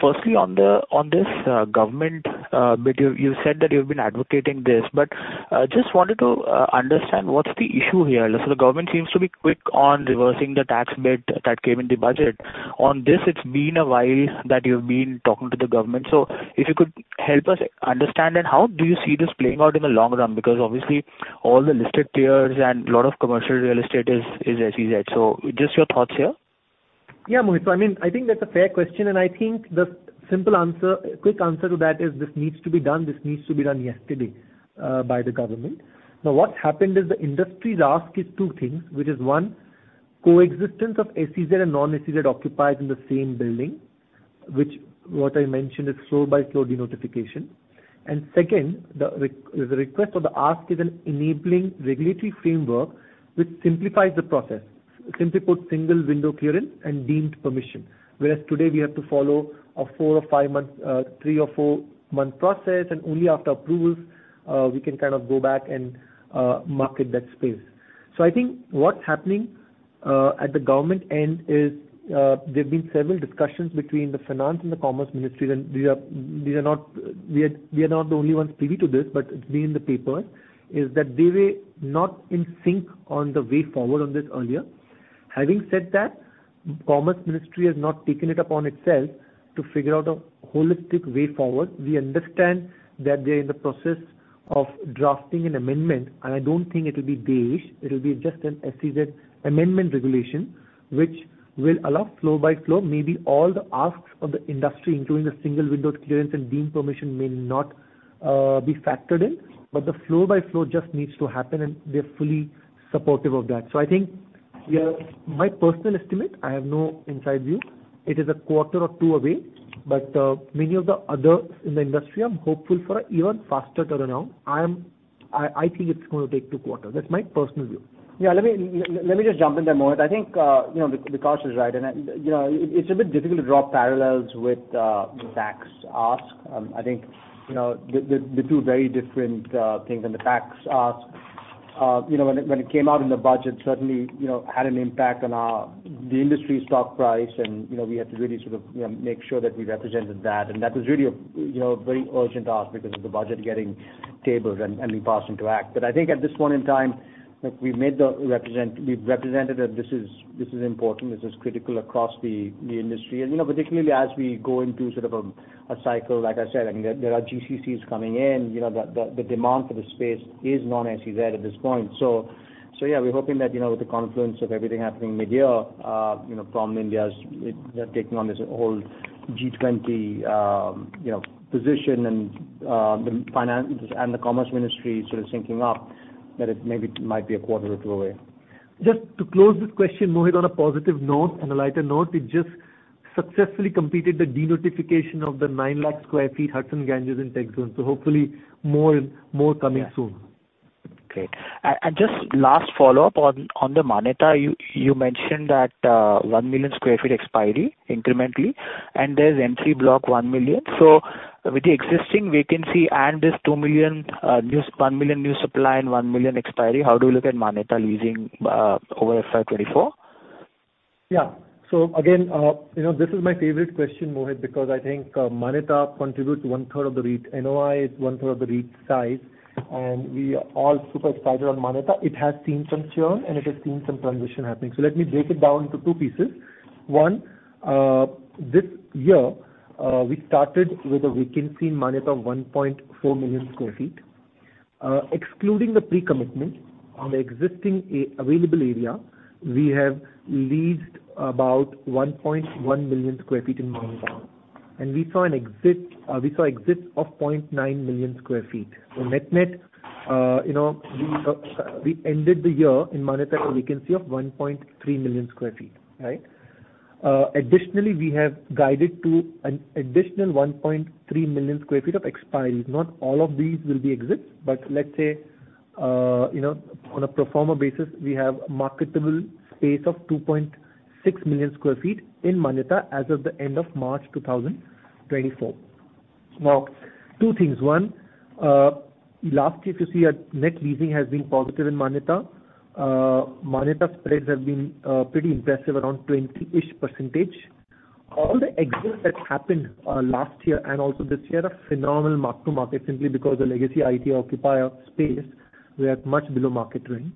Firstly on this government bit, you said that you've been advocating this, just wanted to understand what's the issue here. The government seems to be quick on reversing the tax bit that came in the Budget. On this, it's been a while that you've been talking to the government. If you could help us understand and how do you see this playing out in the long run? Because obviously all the listed peers and a lot of commercial real estate is SEZ. Just your thoughts here. Yeah, Mohit. I mean, I think that's a fair question, I think the simple answer, quick answer to that is this needs to be done, this needs to be done yesterday, by the government. What happened is the industry's ask is two things, which is one, coexistence of SEZ and non-SEZ occupiers in the same building, which what I mentioned is floor by floor denotification. Second, the request or the ask is an enabling regulatory framework which simplifies the process. Simply put, single window clearance and deemed permission, whereas today we have to follow a four- or five-month, three or four-month process, and only after approvals, we can kind of go back and market that space. I think what's happening at the government end is, there have been several discussions between the finance and the commerce ministries, and these are not the only ones privy to this, but it's been in the papers, is that they were not in sync on the way forward on this earlier. Having said that, commerce ministry has not taken it upon itself to figure out a holistic way forward. We understand that they're in the process of drafting an amendment, and I don't think it'll be DESH. It'll be just an SEZ amendment regulation which will allow floor by floor. Maybe all the asks of the industry, including the single window clearance and deemed permission, may not be factored in, but the floor by floor just needs to happen, and we're fully supportive of that. I think my personal estimate, I have no inside view, it is a quarter or two away, but many of the others in the industry are hopeful for an even faster turnaround. I think it's gonna take two quarters. That's my personal view. Yeah, let me just jump in there, Mohit. I think, you know, Vikaash is right, and I, you know, it's a bit difficult to draw parallels with the tax ask. I think, you know, they're two very different things. The tax ask, you know, when it came out in the budget, certainly, you know, had an impact on the industry stock price and, you know, we had to really sort of, you know, make sure that we represented that. That was really a, you know, very urgent ask because of the budget getting tabled and being passed into act. I think at this point in time, like, we've represented that this is important, this is critical across the industry. You know, particularly as we go into sort of a cycle, like I said, I mean, there are GCCs coming in. You know, the demand for the space is non-SEZ at this point. Yeah, we're hoping that, you know, with the confluence of everything happening midyear, you know, from India's taking on this whole G20, you know, position and the finance and the commerce ministry sort of syncing up, that it maybe might be a quarter or two away. Just to close this question, Mohit, on a positive note and a lighter note, we just successfully completed the denotification of the 9 lakh sq ft Hudson Ganges in TechZone. Hopefully more coming soon. Great. Just last follow-up on the Manyata. You mentioned that, 1 million sq ft expiry incrementally, and there's M3 Block 1 million. With the existing vacancy and this 2 million, new 1 million new supply and 1 million expiry, how do you look at Manyata leasing over FY24? Yeah. Again, you know, this is my favorite question, Mohit, because I think Manyata contributes one-third of the REIT NOI. It's one-third of the REIT size, we are all super excited on Manyata. It has seen some churn, it has seen some transition happening. Let me break it down into two pieces. One, this year, we started with a vacancy in Manyata of 1.4 million sq ft. Excluding the pre-commitment on the existing available area, we have leased about 1.1 million sq ft in Manyata. We saw exits of 0.9 million sq ft. Net-net, you know, we ended the year in Manyata with a vacancy of 1.3 million sq ft, right? Additionally, we have guided to an additional 1.3 million sq ft of expiries. Not all of these will be exits, but let's say, you know, on a pro forma basis, we have marketable space of 2.6 million sq ft in Manyata as of the end of March 2024. Two things. One, last year if you see our net leasing has been positive in Manyata. Manyata spreads have been pretty impressive around 20-ish %. All the exits that happened last year and also this year are phenomenal mark-to-market simply because the legacy IT occupier space, we are much below market rent.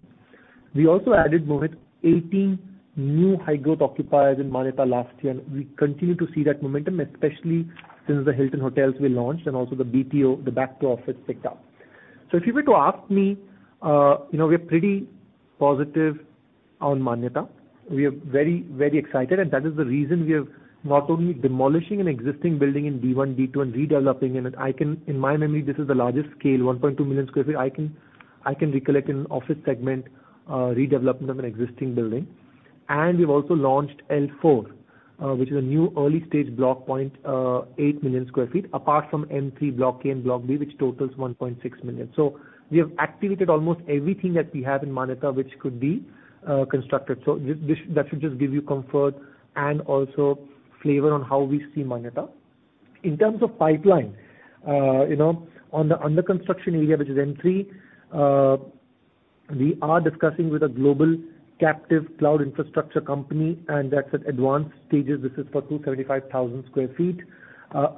We also added, Mohit, 18 new high-growth occupiers in Manyata last year, and we continue to see that momentum, especially since the Hilton Hotels we launched and also the BPO, the back office picked up. If you were to ask me, you know, we're pretty positive on Manyata. We are very, very excited, and that is the reason we are not only demolishing an existing building in B1, B2, and redeveloping it. In my memory, this is the largest scale, 1.2 million sq ft I can recollect in office segment, redevelopment of an existing building. We've also launched L4, which is a new early stage block 0.8 million sq ft, apart from M3 Block A and Block B, which totals 1.6 million. We have activated almost everything that we have in Manyata which could be constructed. That should just give you comfort and also flavor on how we see Manyata. In terms of pipeline, you know, on the under construction area, which is M3, we are discussing with a global captive cloud infrastructure company, and that's at advanced stages. This is for 235,000 sq ft.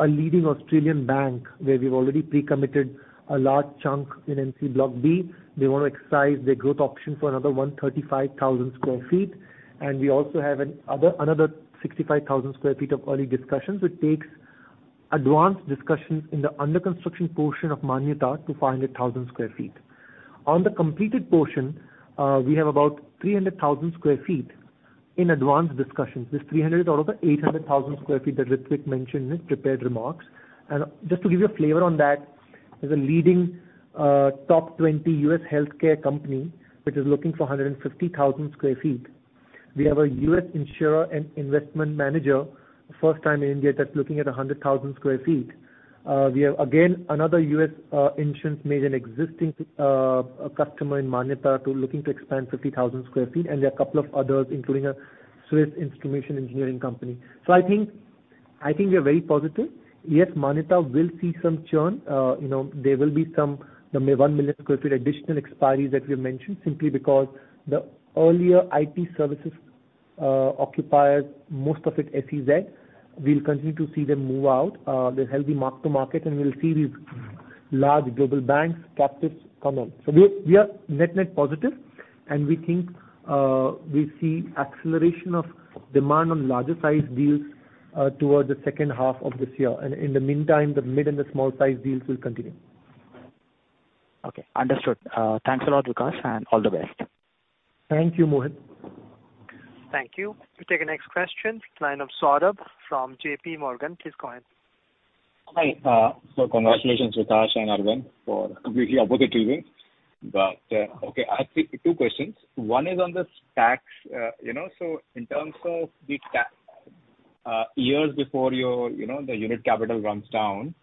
A leading Australian bank where we've already pre-committed a large chunk in M3 Block B, they want to exercise their growth option for another 135,000 sq ft. We also have another 65,000 sq ft of early discussions, which takes advanced discussions in the under construction portion of Manyata to 500,000 sq ft. On the completed portion, we have about 300,000 sq ft in advanced discussions. This 300 is out of the 800,000 sq ft that Ritwik mentioned in his prepared remarks. Just to give you a flavor on that, there's a leading, top 20 US healthcare company which is looking for 150,000 sq ft. We have a US insurer and investment manager, first time in India, that's looking at 100,000 sq ft. We have, again, another US insurance major and existing customer in Manyata looking to expand 50,000 sq ft. There are a couple of others, including a Swiss instrumentation engineering company. I think we are very positive. Yes, Manyata will see some churn. You know, there will be some, you know, 1 million sq ft additional expiries that we have mentioned simply because the earlier IT services occupiers, most of it SEZ, we'll continue to see them move out. They're healthy mark-to-market. We'll see these large global banks, captives come in. We are net-net positive, and we think we see acceleration of demand on larger sized deals towards the second half of this year. In the meantime, the mid and the small sized deals will continue. Okay. Understood. Thanks a lot, Vikaash. All the best. Thank you, Mohit. Thank you. We'll take the next question. Line of Saurabh from JP Morgan. Please go ahead. Hi. Congratulations, Vikaash and Aravind, for a busy opportunity win. Okay, I have two questions. One is on this tax. You know, in terms of the years before your, you know, the unit capital runs down.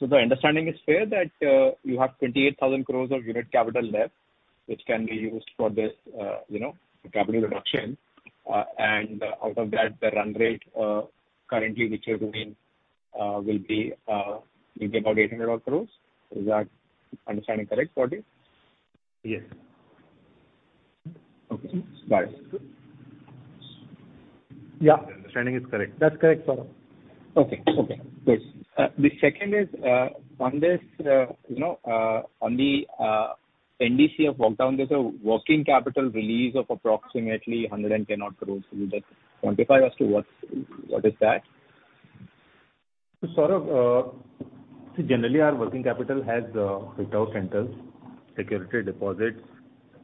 The understanding is fair that you have 28,000 crores of unit capital left, which can be used for this, you know, capital reduction. Out of that, the run rate currently which you're doing will be maybe about 800 odd crores. Is that understanding correct for this? Yes. Okay. Got it. Yeah. The understanding is correct. That's correct, Saurabh. Okay. Okay. Yes. The second is on this, you know, on the NDCF of Walkdown, there's a working capital release of approximately 110 odd crores. Can you just quantify as to what is that? Saurabh, see, generally our working capital has without rentals, security deposits,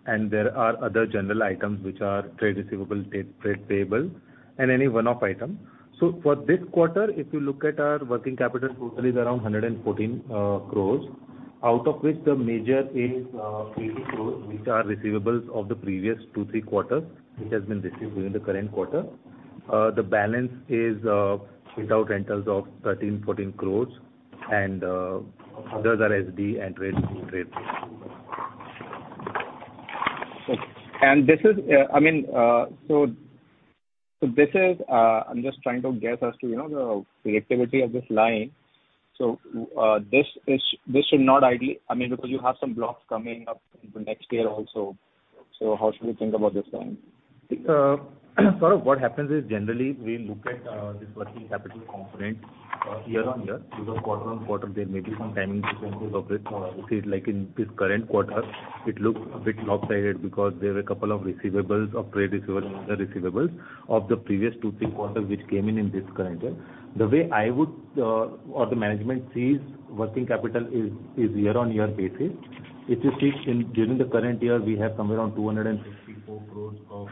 and there are other general items which are trade receivables, trade payables, and any one-off item. For this quarter, if you look at our working capital total is around 114 crore, out of which the major is 80 crore which are receivables of the previous two, three quarters, which has been received during the current quarter. The balance is without rentals of 13-14 crore and others are SD and trade payables. Okay. This is, I mean, I'm just trying to guess as to, you know, the creativity of this line. This should not ideally. I mean, because you have some blocks coming up in the next year also. How should we think about this line? Saurabh, what happens is, generally we look at this working capital component year-on-year. Because quarter-on-quarter there may be some timing differences of this. Which is like in this current quarter, it looks a bit lopsided because there were a couple of receivables of trade receivable and other receivables of the previous two, three quarters which came in in this current year. The way I would, or the management sees working capital is year-on-year basis. If you see during the current year, we have somewhere around 264 crores of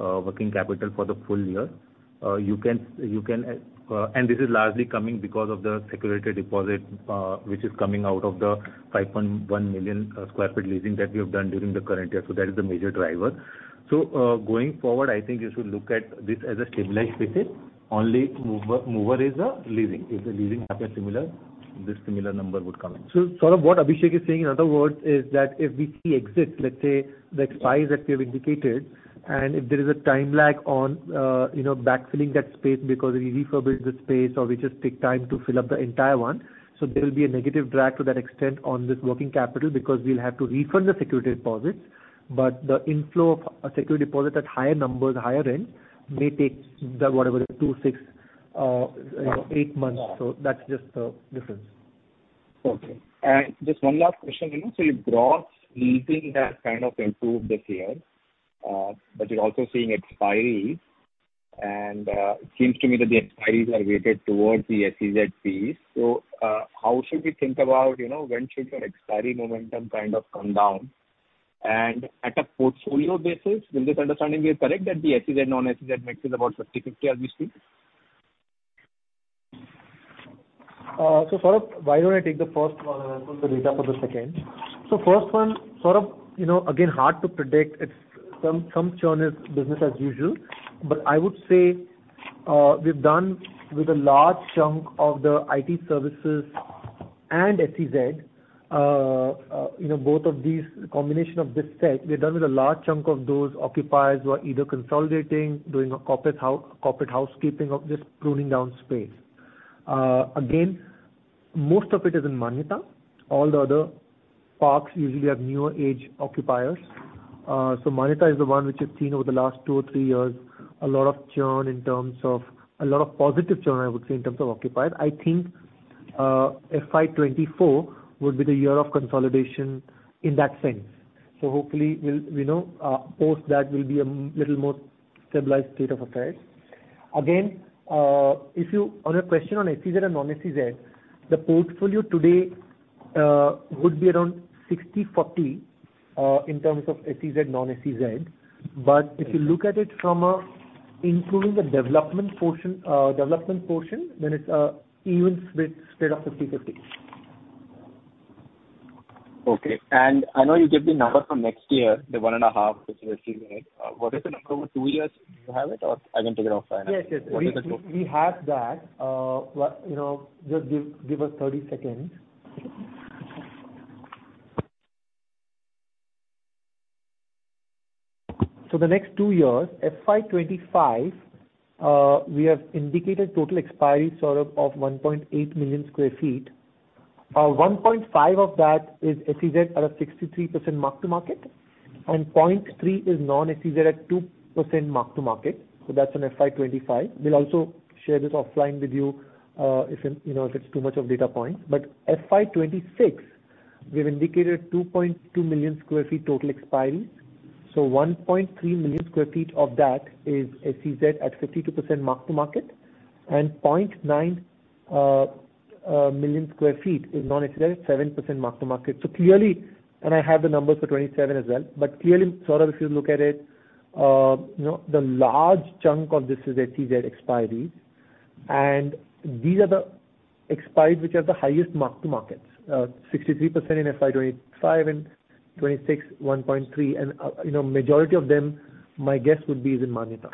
working capital for the full year. You can, you can, and this is largely coming because of the security deposit, which is coming out of the 5.1 million sq ft leasing that we have done during the current year. That is the major driver. Going forward, I think you should look at this as a stabilized basis. Only mover is the leasing. If the leasing happens similar. This similar number would come in. Saurabh, what Abhishek is saying, in other words, is that if we see exits, let's say the expiries that we have indicated, and if there is a time lag on, you know, backfilling that space because we refurbish the space or we just take time to fill up the entire one, so there will be a negative drag to that extent on this working capital because we'll have to refund the security deposits. The inflow of a security deposit at higher numbers, higher end, may take the, whatever, two, six, you know, eight months. Yeah. That's just the difference. Okay. Just one last question. You know, your gross leasing has kind of improved this year, but you're also seeing expiries. It seems to me that the expiries are weighted towards the SEZ piece. How should we think about, you know, when should your expiry momentum kind of come down? At a portfolio basis, will this understanding be correct that the SEZ, non-SEZ mix is about 50/50 as we speak? Saurabh, why don't I take the first one and put the data for the second? First one, Saurabh, you know, again, hard to predict. It's some churn is business as usual. I would say, we've done with a large chunk of the IT services and SEZ, you know, both of these, combination of this set, we've done with a large chunk of those occupiers who are either consolidating, doing a corporate housekeeping of just pruning down space. Again, most of it is in Manyata. All the other parks usually have newer age occupiers. Manyata is the one which has seen over the last two or three years a lot of churn in terms of a lot of positive churn, I would say, in terms of occupiers. I think FY24 would be the year of consolidation in that sense. Hopefully we'll, you know, post that will be a little more stabilized state of affairs. Again, on a question on SEZ and non-SEZ, the portfolio today would be around 60/40 in terms of SEZ, non-SEZ. If you look at it from including the development portion, then it's an even split of 50/50. Okay. I know you gave the number for next year, the one and a half which you were assuming. What is the number over two years? Do you have it or I can take it offline? Yes. Yes. We have that. What, you know, just give us 30 seconds. The next two years, FY25, we have indicated total expiry, Saurabh, of 1.8 million sq ft. 1.5 of that is SEZ at a 63% mark-to-market, and 0.3 is non-SEZ at 2% mark-to-market. That's on FY25. We'll also share this offline with you, if it, you know, if it's too much of data points. FY26, we've indicated 2.2 million sq ft total expiry. 1.3 million sq ft of that is SEZ at 52% mark-to-market, and 0.9 million sq ft is non-SEZ at 7% mark-to-market. Clearly, and I have the numbers for 27 as well, but clearly, Saurabh, if you look at it, you know, the large chunk of this is SEZ expiries, and these are the expiries which are the highest mark-to-markets. 63% in FY25, and FY26, 1.3%. You know, majority of them, my guess would be is in Manyata.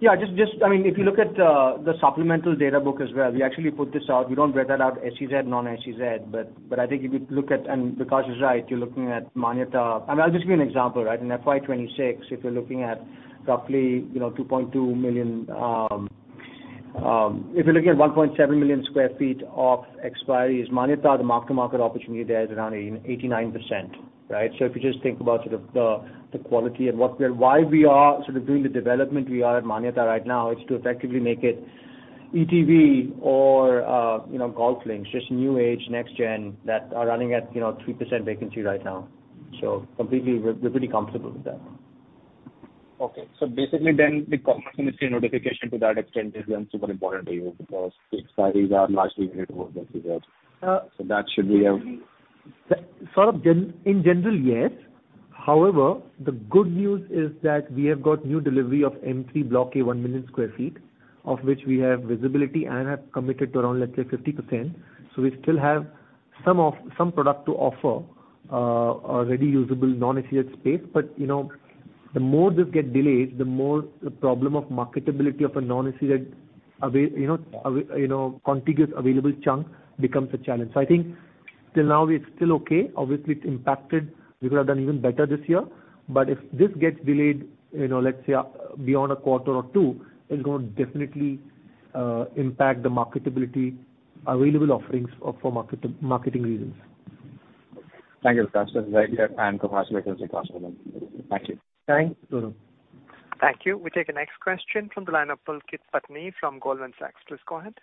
Yeah, just, I mean, if you look at the supplemental data book as well, we actually put this out. We don't break that out SEZ, non-SEZ, but I think if you look at, and Vikaash is right, you're looking at Manyata. I mean, I'll just give you an example, right? In FY26, if you're looking at roughly, you know, 1.7 million sq ft of expiry is Manyata, the mark-to-market opportunity there is around 88%-89%, right? If you just think about sort of the quality and why we are sort of doing the development we are at Manyata right now, it's to effectively make it ETV or, you know, GolfLinks, just new age, next gen that are running at, you know, 3% vacancy right now. Completely, we're pretty comfortable with that. Basically the Commerce Ministry notification to that extent is then super important to you because the expiries are largely related to SEZ. Uh- that should be. Saurabh, in general, yes. The good news is that we have got new delivery of M3 Block A, 1 million sq ft, of which we have visibility and have committed to around, let's say, 50%. We still have some product to offer, already usable non-SEZ space. You know, the more this get delayed, the more the problem of marketability of a non-SEZ contiguous available chunk becomes a challenge. I think till now it's still okay. Obviously, it's impacted. We could have done even better this year. If this gets delayed, you know, let's say, beyond a quarter or two, it's gonna definitely impact the marketability available offerings for marketing reasons. Thank you, Vikaash. That's very clear. Congratulations, Vikaash, for that. Thank you. Thank you, Saurabh. Thank you. We take the next question from the line of Pulkit Patni from Goldman Sachs. Please go ahead.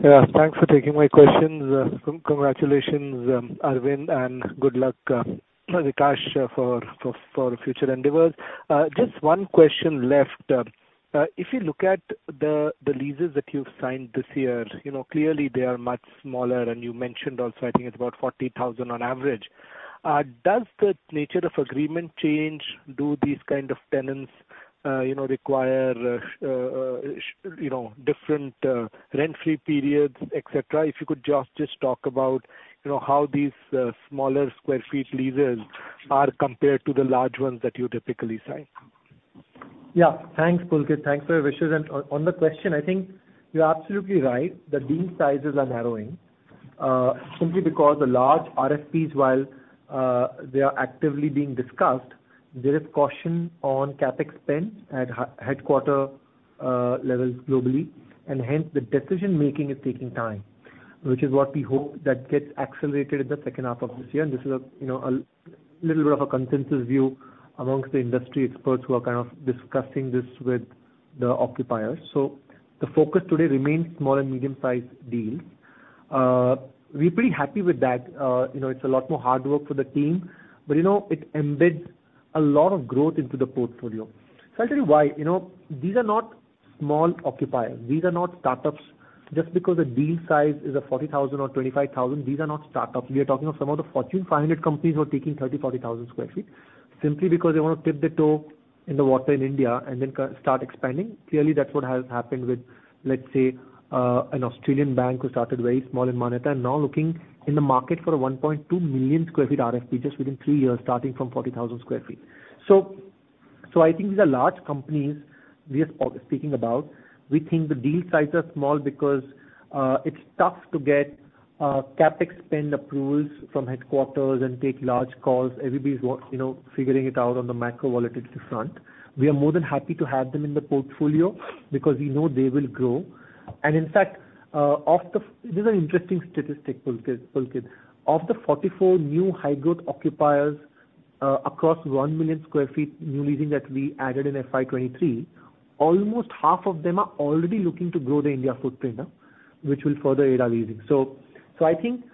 Thanks for taking my questions. Congratulations, Aravind, and good luck, Vikaash, for future endeavors. Just one question left. If you look at the leases that you've signed this year, you know, clearly they are much smaller, and you mentioned also, I think it's about 40,000 on average. Does the nature of agreement change? Do these kind of tenants, you know, require, you know, different rent-free periods, et cetera? If you could just talk about, you know, how these smaller square feet leases are compared to the large ones that you typically sign. Thanks, Pulkit. Thanks for your wishes. On the question, I think you're absolutely right, the deal sizes are narrowing, simply because the large RFPs, while they are actively being discussed, there is caution on capex spend at headquarter levels globally. Hence, the decision-making is taking time, which is what we hope that gets accelerated in the second half of this year. This is a, you know, a little bit of a consensus view amongst the industry experts who are kind of discussing this with the occupiers. The focus today remains small and medium-sized deals. We're pretty happy with that. You know, it's a lot more hard work for the team, but, you know, it embeds a lot of growth into the portfolio. I'll tell you why. You know, these are not small occupiers. These are not startups. Just because the deal size is a 40,000 or 25,000, these are not startups. We are talking of some of the Fortune 500 companies who are taking 30,000, 40,000 square feet simply because they wanna tip the toe in the water in India and then start expanding. Clearly, that's what has happened with, let's say, an Australian bank who started very small in Manyata and now looking in the market for a 1.2 million square feet RFP just within two, three years, starting from 40,000 square feet. I think these are large companies we are speaking about. We think the deal sizes are small because it's tough to get capex spend approvals from headquarters and take large calls. You know, figuring it out on the macro volatility front. We are more than happy to have them in the portfolio because we know they will grow. In fact, this is an interesting statistic, Pulkit. Of the 44 new high growth occupiers, across 1 million sq ft new leasing that we added in FY23, almost half of them are already looking to grow their India footprint, which will further aid our leasing. I think,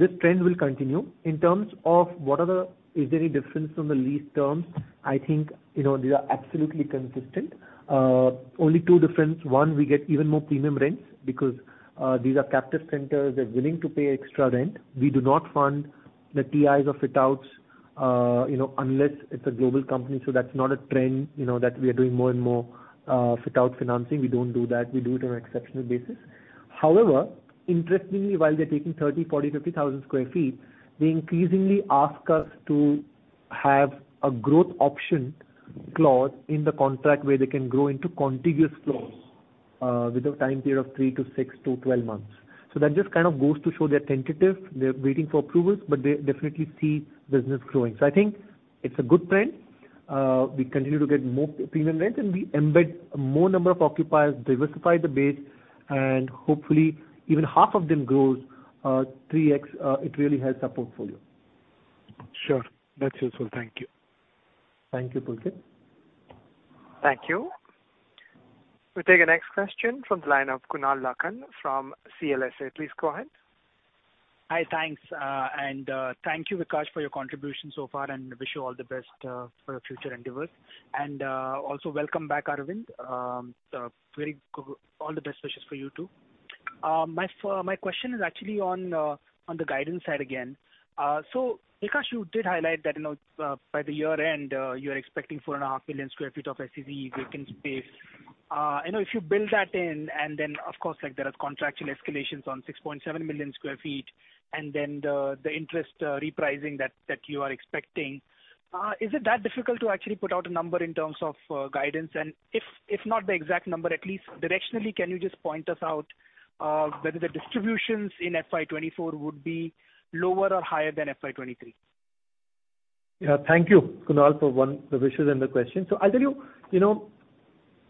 this trend will continue. In terms of what are the is there any difference on the lease terms, I think, you know, these are absolutely consistent. Only 2 difference. 1, we get even more premium rents because, these are captive centers. They're willing to pay extra rent. We do not fund the TIs or fit outs, you know, unless it's a global company. That's not a trend, you know, that we are doing more and more fit out financing. We don't do that. We do it on an exceptional basis. However, interestingly, while they're taking 30,000, 40,000, 50,000 sq ft, they increasingly ask us to have a growth option clause in the contract where they can grow into contiguous floors with a time period of three to six to 12 months. That just kind of goes to show they're tentative, they're waiting for approvals, but they definitely see business growing. I think it's a good trend. We continue to get more premium rent, and we embed more number of occupiers, diversify the base, and hopefully even half of them grows 3x, it really helps our portfolio. Sure. That's useful. Thank you. Thank you, Pulkit. Thank you. We'll take the next question from the line of Kunal Lakhan from CLSA. Please go ahead. Hi. Thanks. And thank you, Vikaash, for your contribution so far, and wish you all the best for your future endeavors. Also welcome back, Aravind. All the best wishes for you too. My question is actually on the guidance side again. Vikaash, you did highlight that, you know, by the year-end, you're expecting 4.5 million sq ft of SEZ vacant space. You know, if you build that in, and then of course, like, there are contractual escalations on 6.7 million sq ft, and then the interest repricing that you are expecting, is it that difficult to actually put out a number in terms of, guidance? If not the exact number, at least directionally, can you just point us out whether the distributions in FY24 would be lower or higher than FY23? Thank you, Kunal, for one, the wishes and the question. I'll tell you know,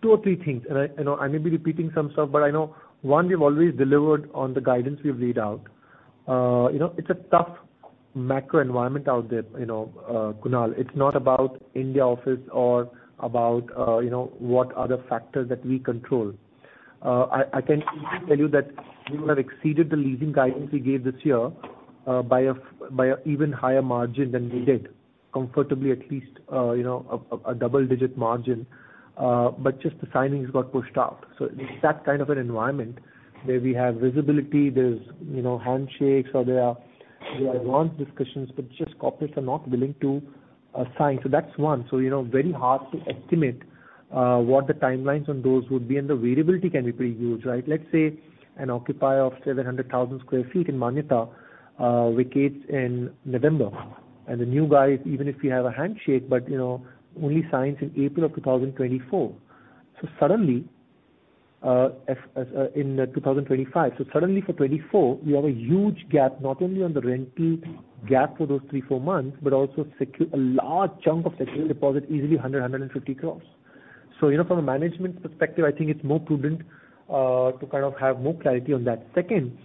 two or three things, and I, you know, I may be repeating some stuff. I know, 1, we've always delivered on the guidance we've read out. you know, it's a tough macro environment out there, you know, Kunal. It's not about India Office or about, you know, what are the factors that we control. I can easily tell you that we will have exceeded the leasing guidance we gave this year, by a even higher margin than we did, comfortably at least, you know, a double-digit margin. Just the signings got pushed out. It's that kind of an environment where we have visibility. There's, you know, handshakes or there are advanced discussions, but just corporates are not willing to sign. That's one. You know, very hard to estimate what the timelines on those would be, and the variability can be pretty huge, right? Let's say an occupier of 700,000 sq ft in Manyata vacates in November. The new guy, even if we have a handshake, but, you know, only signs in April 2024. Suddenly, in 2025. Suddenly for 2024, we have a huge gap, not only on the rental gap for those three to four months, but also a large chunk of security deposit, easily 100-150 crores. You know, from a management perspective, I think it's more prudent to kind of have more clarity on that. Second,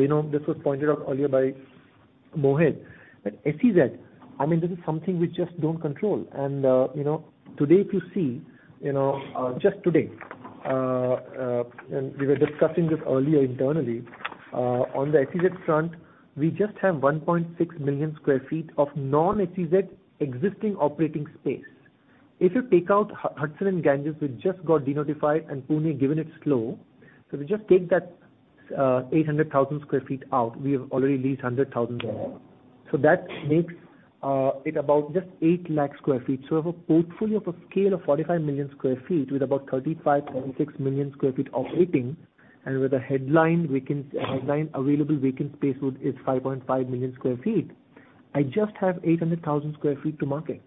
you know, this was pointed out earlier by Mohit. At SEZ, I mean, this is something we just don't control. You know, today if you see, you know, just today, and we were discussing this earlier internally, on the SEZ front, we just have 1.6 million square feet of non-SEZ existing operating space. If you take out Hudson and Ganges, which just got denotified, and Pune, given it's slow. We just take that 800,000 square feet out. We have already leased 100,000 there. That makes it about just 8 lakh square feet. We have a portfolio of a scale of 45 million sq ft with about 35, 46 million sq ft operating, and with a headline available vacant space, which is 5.5 million sq ft. I just have 800,000 sq ft to market.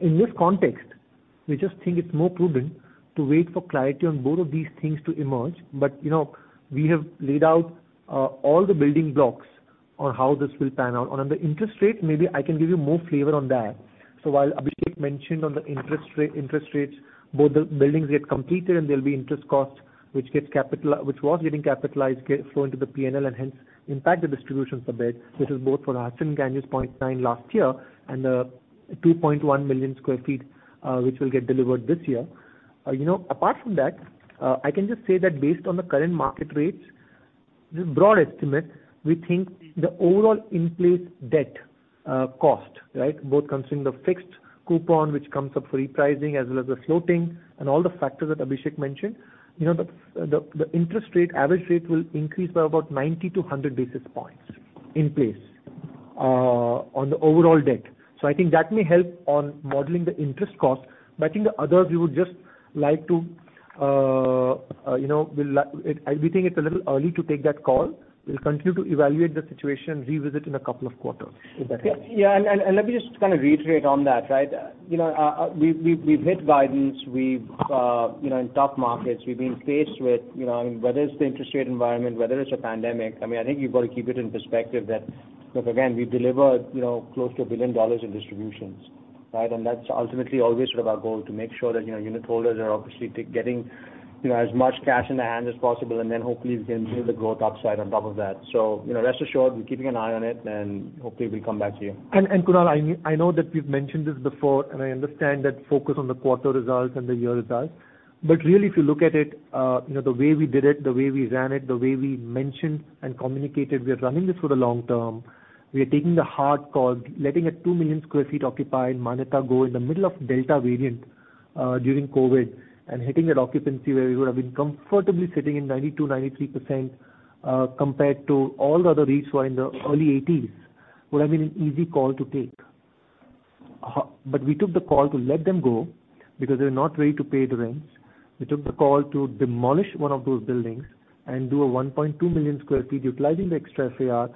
In this context, we just think it's more prudent to wait for clarity on both of these things to emerge. You know, we have laid out all the building blocks on how this will pan out. On the interest rate, maybe I can give you more flavor on that. While Abhishek mentioned on the interest rates, both the buildings get completed, and there'll be interest costs which gets capitalized, get flowing to the PNL, and hence impact the distributions a bit, which is both for Hudson Ganges 0.9 msf last year and the 2.1 million square feet which will get delivered this year. You know, apart from that, I can just say that based on the current market rates, the broad estimate, we think the overall in-place debt cost, right? Both considering the fixed coupon, which comes up for repricing, as well as the floating and all the factors that Abhishek mentioned. You know, the interest rate, average rate will increase by about 90-100 basis points in place on the overall debt. I think that may help on modeling the interest cost. I think the others we would just like to, you know, We think it's a little early to take that call. We'll continue to evaluate the situation and revisit in a couple of quarters if that helps. Yeah. Let me just kind of reiterate on that, right? You know, we've hit guidance. We've, you know, in tough markets, we've been faced with, you know, whether it's the interest rate environment, whether it's a pandemic, I mean, I think you've got to keep it in perspective that, look, again, we delivered, you know, close to $1 billion in distributions, right? That's ultimately always sort of our goal to make sure that, you know, unitholders are obviously getting, you know, as much cash in the hand as possible, and then hopefully we can build the growth upside on top of that. You know, rest assured we're keeping an eye on it. Hopefully we come back to you. Kunal, I know that we've mentioned this before, and I understand that focus on the quarter results and the year results. Really, if you look at it, you know, the way we did it, the way we ran it, the way we mentioned and communicated, we are running this for the long term. We are taking the hard call, letting a 2 million sq ft occupied Manyata go in the middle of Delta variant, during COVID and hitting an occupancy where we would have been comfortably sitting in 92%-93%, compared to all the other REITs who are in the early 80s would have been an easy call to take. We took the call to let them go because they were not ready to pay the rents. We took the call to demolish one of those buildings and do a 1.2 million sq ft, utilizing the extra FAR,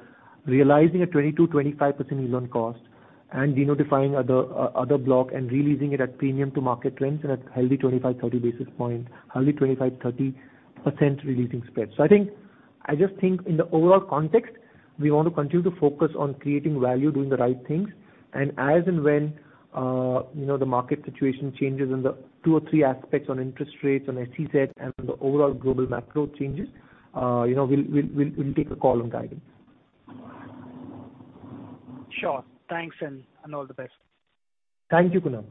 realizing a 22%-25% yield on cost and denotifying other block and re-leasing it at premium to market rents and at a healthy 25-30 basis points, healthy 25%-30% re-leasing spread. I just think in the overall context, we want to continue to focus on creating value, doing the right things. As and when, you know, the market situation changes in the 2 or 3 aspects on interest rates, on SEZ and on the overall global macro changes, you know, we'll take a call on guidance. Sure. Thanks, and all the best. Thank you, Kunal.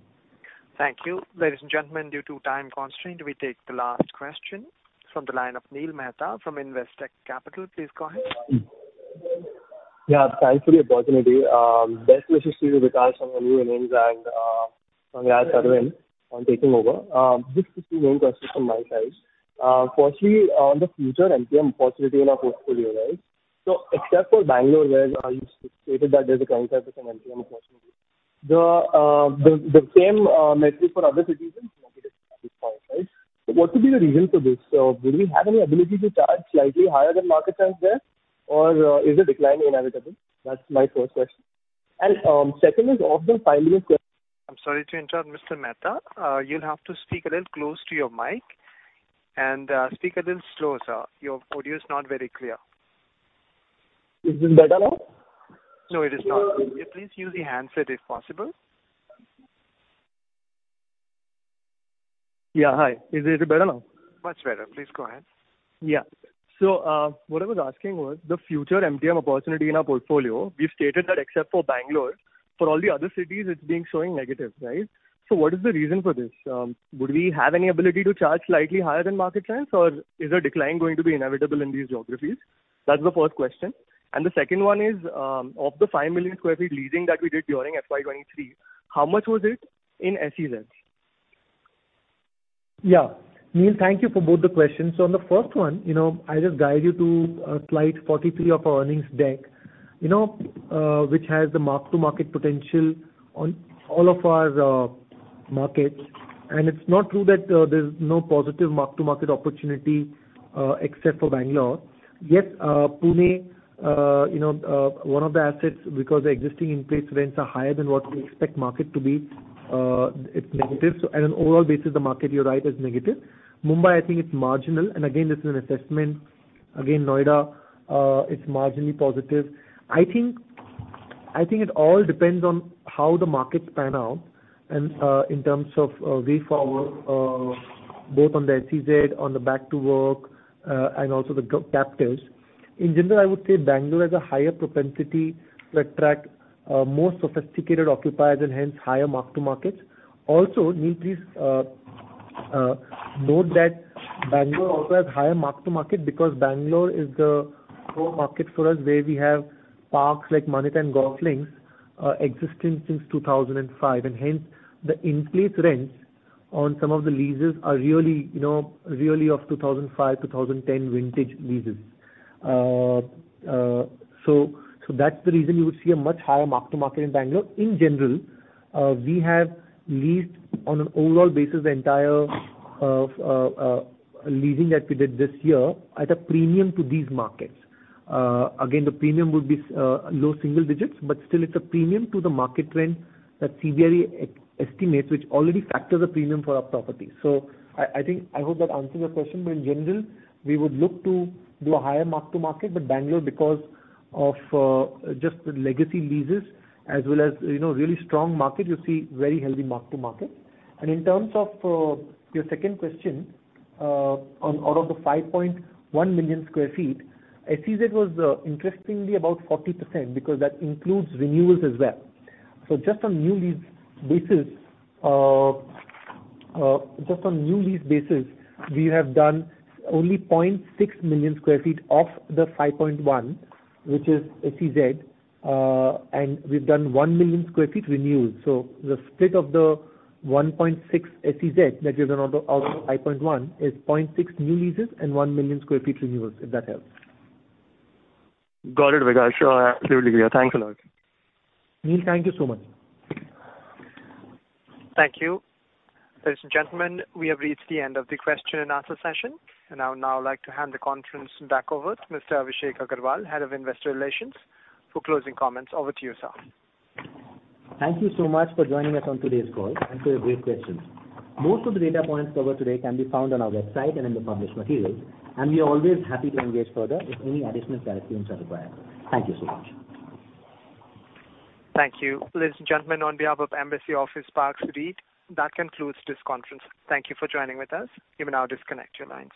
Thank you. Ladies and gentlemen, due to time constraint, we take the last question from the line of Neel Mehta from Investec Capital. Please go ahead. Yeah, thanks for the opportunity. Best wishes to you, Vikaash, on the new innings and Sanjay Agarwal on taking over. Just two main questions from my side. Firstly, on the future MTM possibility in our portfolio, right? Except for Bangalore, where you stated that there's a 25% MTM possibility, the same metric for other cities is negative at this point, right? What could be the reason for this? Do we have any ability to charge slightly higher than market trends there, or is the decline inevitable? That's my first question. Second is of the 5 million- I'm sorry to interrupt, Mr. Mehta. You'll have to speak a little close to your mic and speak a little slower. Your audio is not very clear. Is it better now? No, it is not. Could you please use a handset if possible? Yeah. Hi. Is it better now? Much better. Please go ahead. What I was asking was the future MTM opportunity in our portfolio. We've stated that except for Bengaluru, for all the other cities, it's being showing negative, right? What is the reason for this? Would we have any ability to charge slightly higher than market trends, or is the decline going to be inevitable in these geographies? That's the first question. The second one is, of the 5 million sq ft leasing that we did during FY23, how much was it in SEZ? Yeah. Neil, thank you for both the questions. On the first one, you know, I'll just guide you to Slide 43 of our earnings deck, you know, which has the mark-to-market potential on all of our markets. It's not true that there's no positive mark-to-market opportunity except for Bengaluru. Yes, Pune, you know, one of the assets, because the existing in-place rents are higher than what we expect market to be, it's negative. At an overall basis, the market, you're right, is negative. Mumbai, I think it's marginal. Again, this is an assessment. Again, Noida, it's marginally positive. I think it all depends on how the markets pan out and in terms of way forward, both on the SEZ, on the back to work, and also the captives. In general, I would say Bengaluru has a higher propensity to attract more sophisticated occupiers and hence higher mark-to-markets. Also, Neil, please note that Bengaluru also has higher mark-to-market because Bengaluru is the core market for us, where we have parks like Manyata and Golf Links, existing since 2005, and hence the in-place rents on some of the leases are really, you know, really of 2005, 2010 vintage leases. That's the reason you would see a much higher mark-to-market in Bengaluru. In general, we have leased on an overall basis, the entire leasing that we did this year at a premium to these markets. Again, the premium would be low single digits, still it's a premium to the market rent that CBRE estimates, which already factors a premium for our property. I think I hope that answers your question. In general, we would look to do a higher mark-to-market, but Bengaluru because of just the legacy leases as well as, you know, really strong market, you see very healthy mark-to-market. In terms of your second question, on out of the 5.1 million sq ft, SEZ was interestingly about 40% because that includes renewals as well. Just on new lease basis, we have done only 0.6 million sq ft of the 5.1, which is SEZ. And we've done 1 million sq ft renewals. The split of the 1.6 SEZ that we've done out of 5.1 is 0.6 new leases and 1 million sq ft renewals, if that helps. Got it, Vikaash. Sure. Absolutely clear. Thanks a lot. Neel, thank you so much. Thank you. Ladies and gentlemen, we have reached the end of the question and answer session. I would now like to hand the conference back over to Mr. Abhishek Agarwal, Head of Investor Relations, for closing comments. Over to you, sir. Thank you so much for joining us on today's call and for your great questions. Most of the data points covered today can be found on our website and in the published materials, and we are always happy to engage further if any additional clarifications are required. Thank you so much. Thank you. Ladies and gentlemen, on behalf of Embassy Office Parks REIT, that concludes this conference. Thank you for joining with us. You may now disconnect your lines.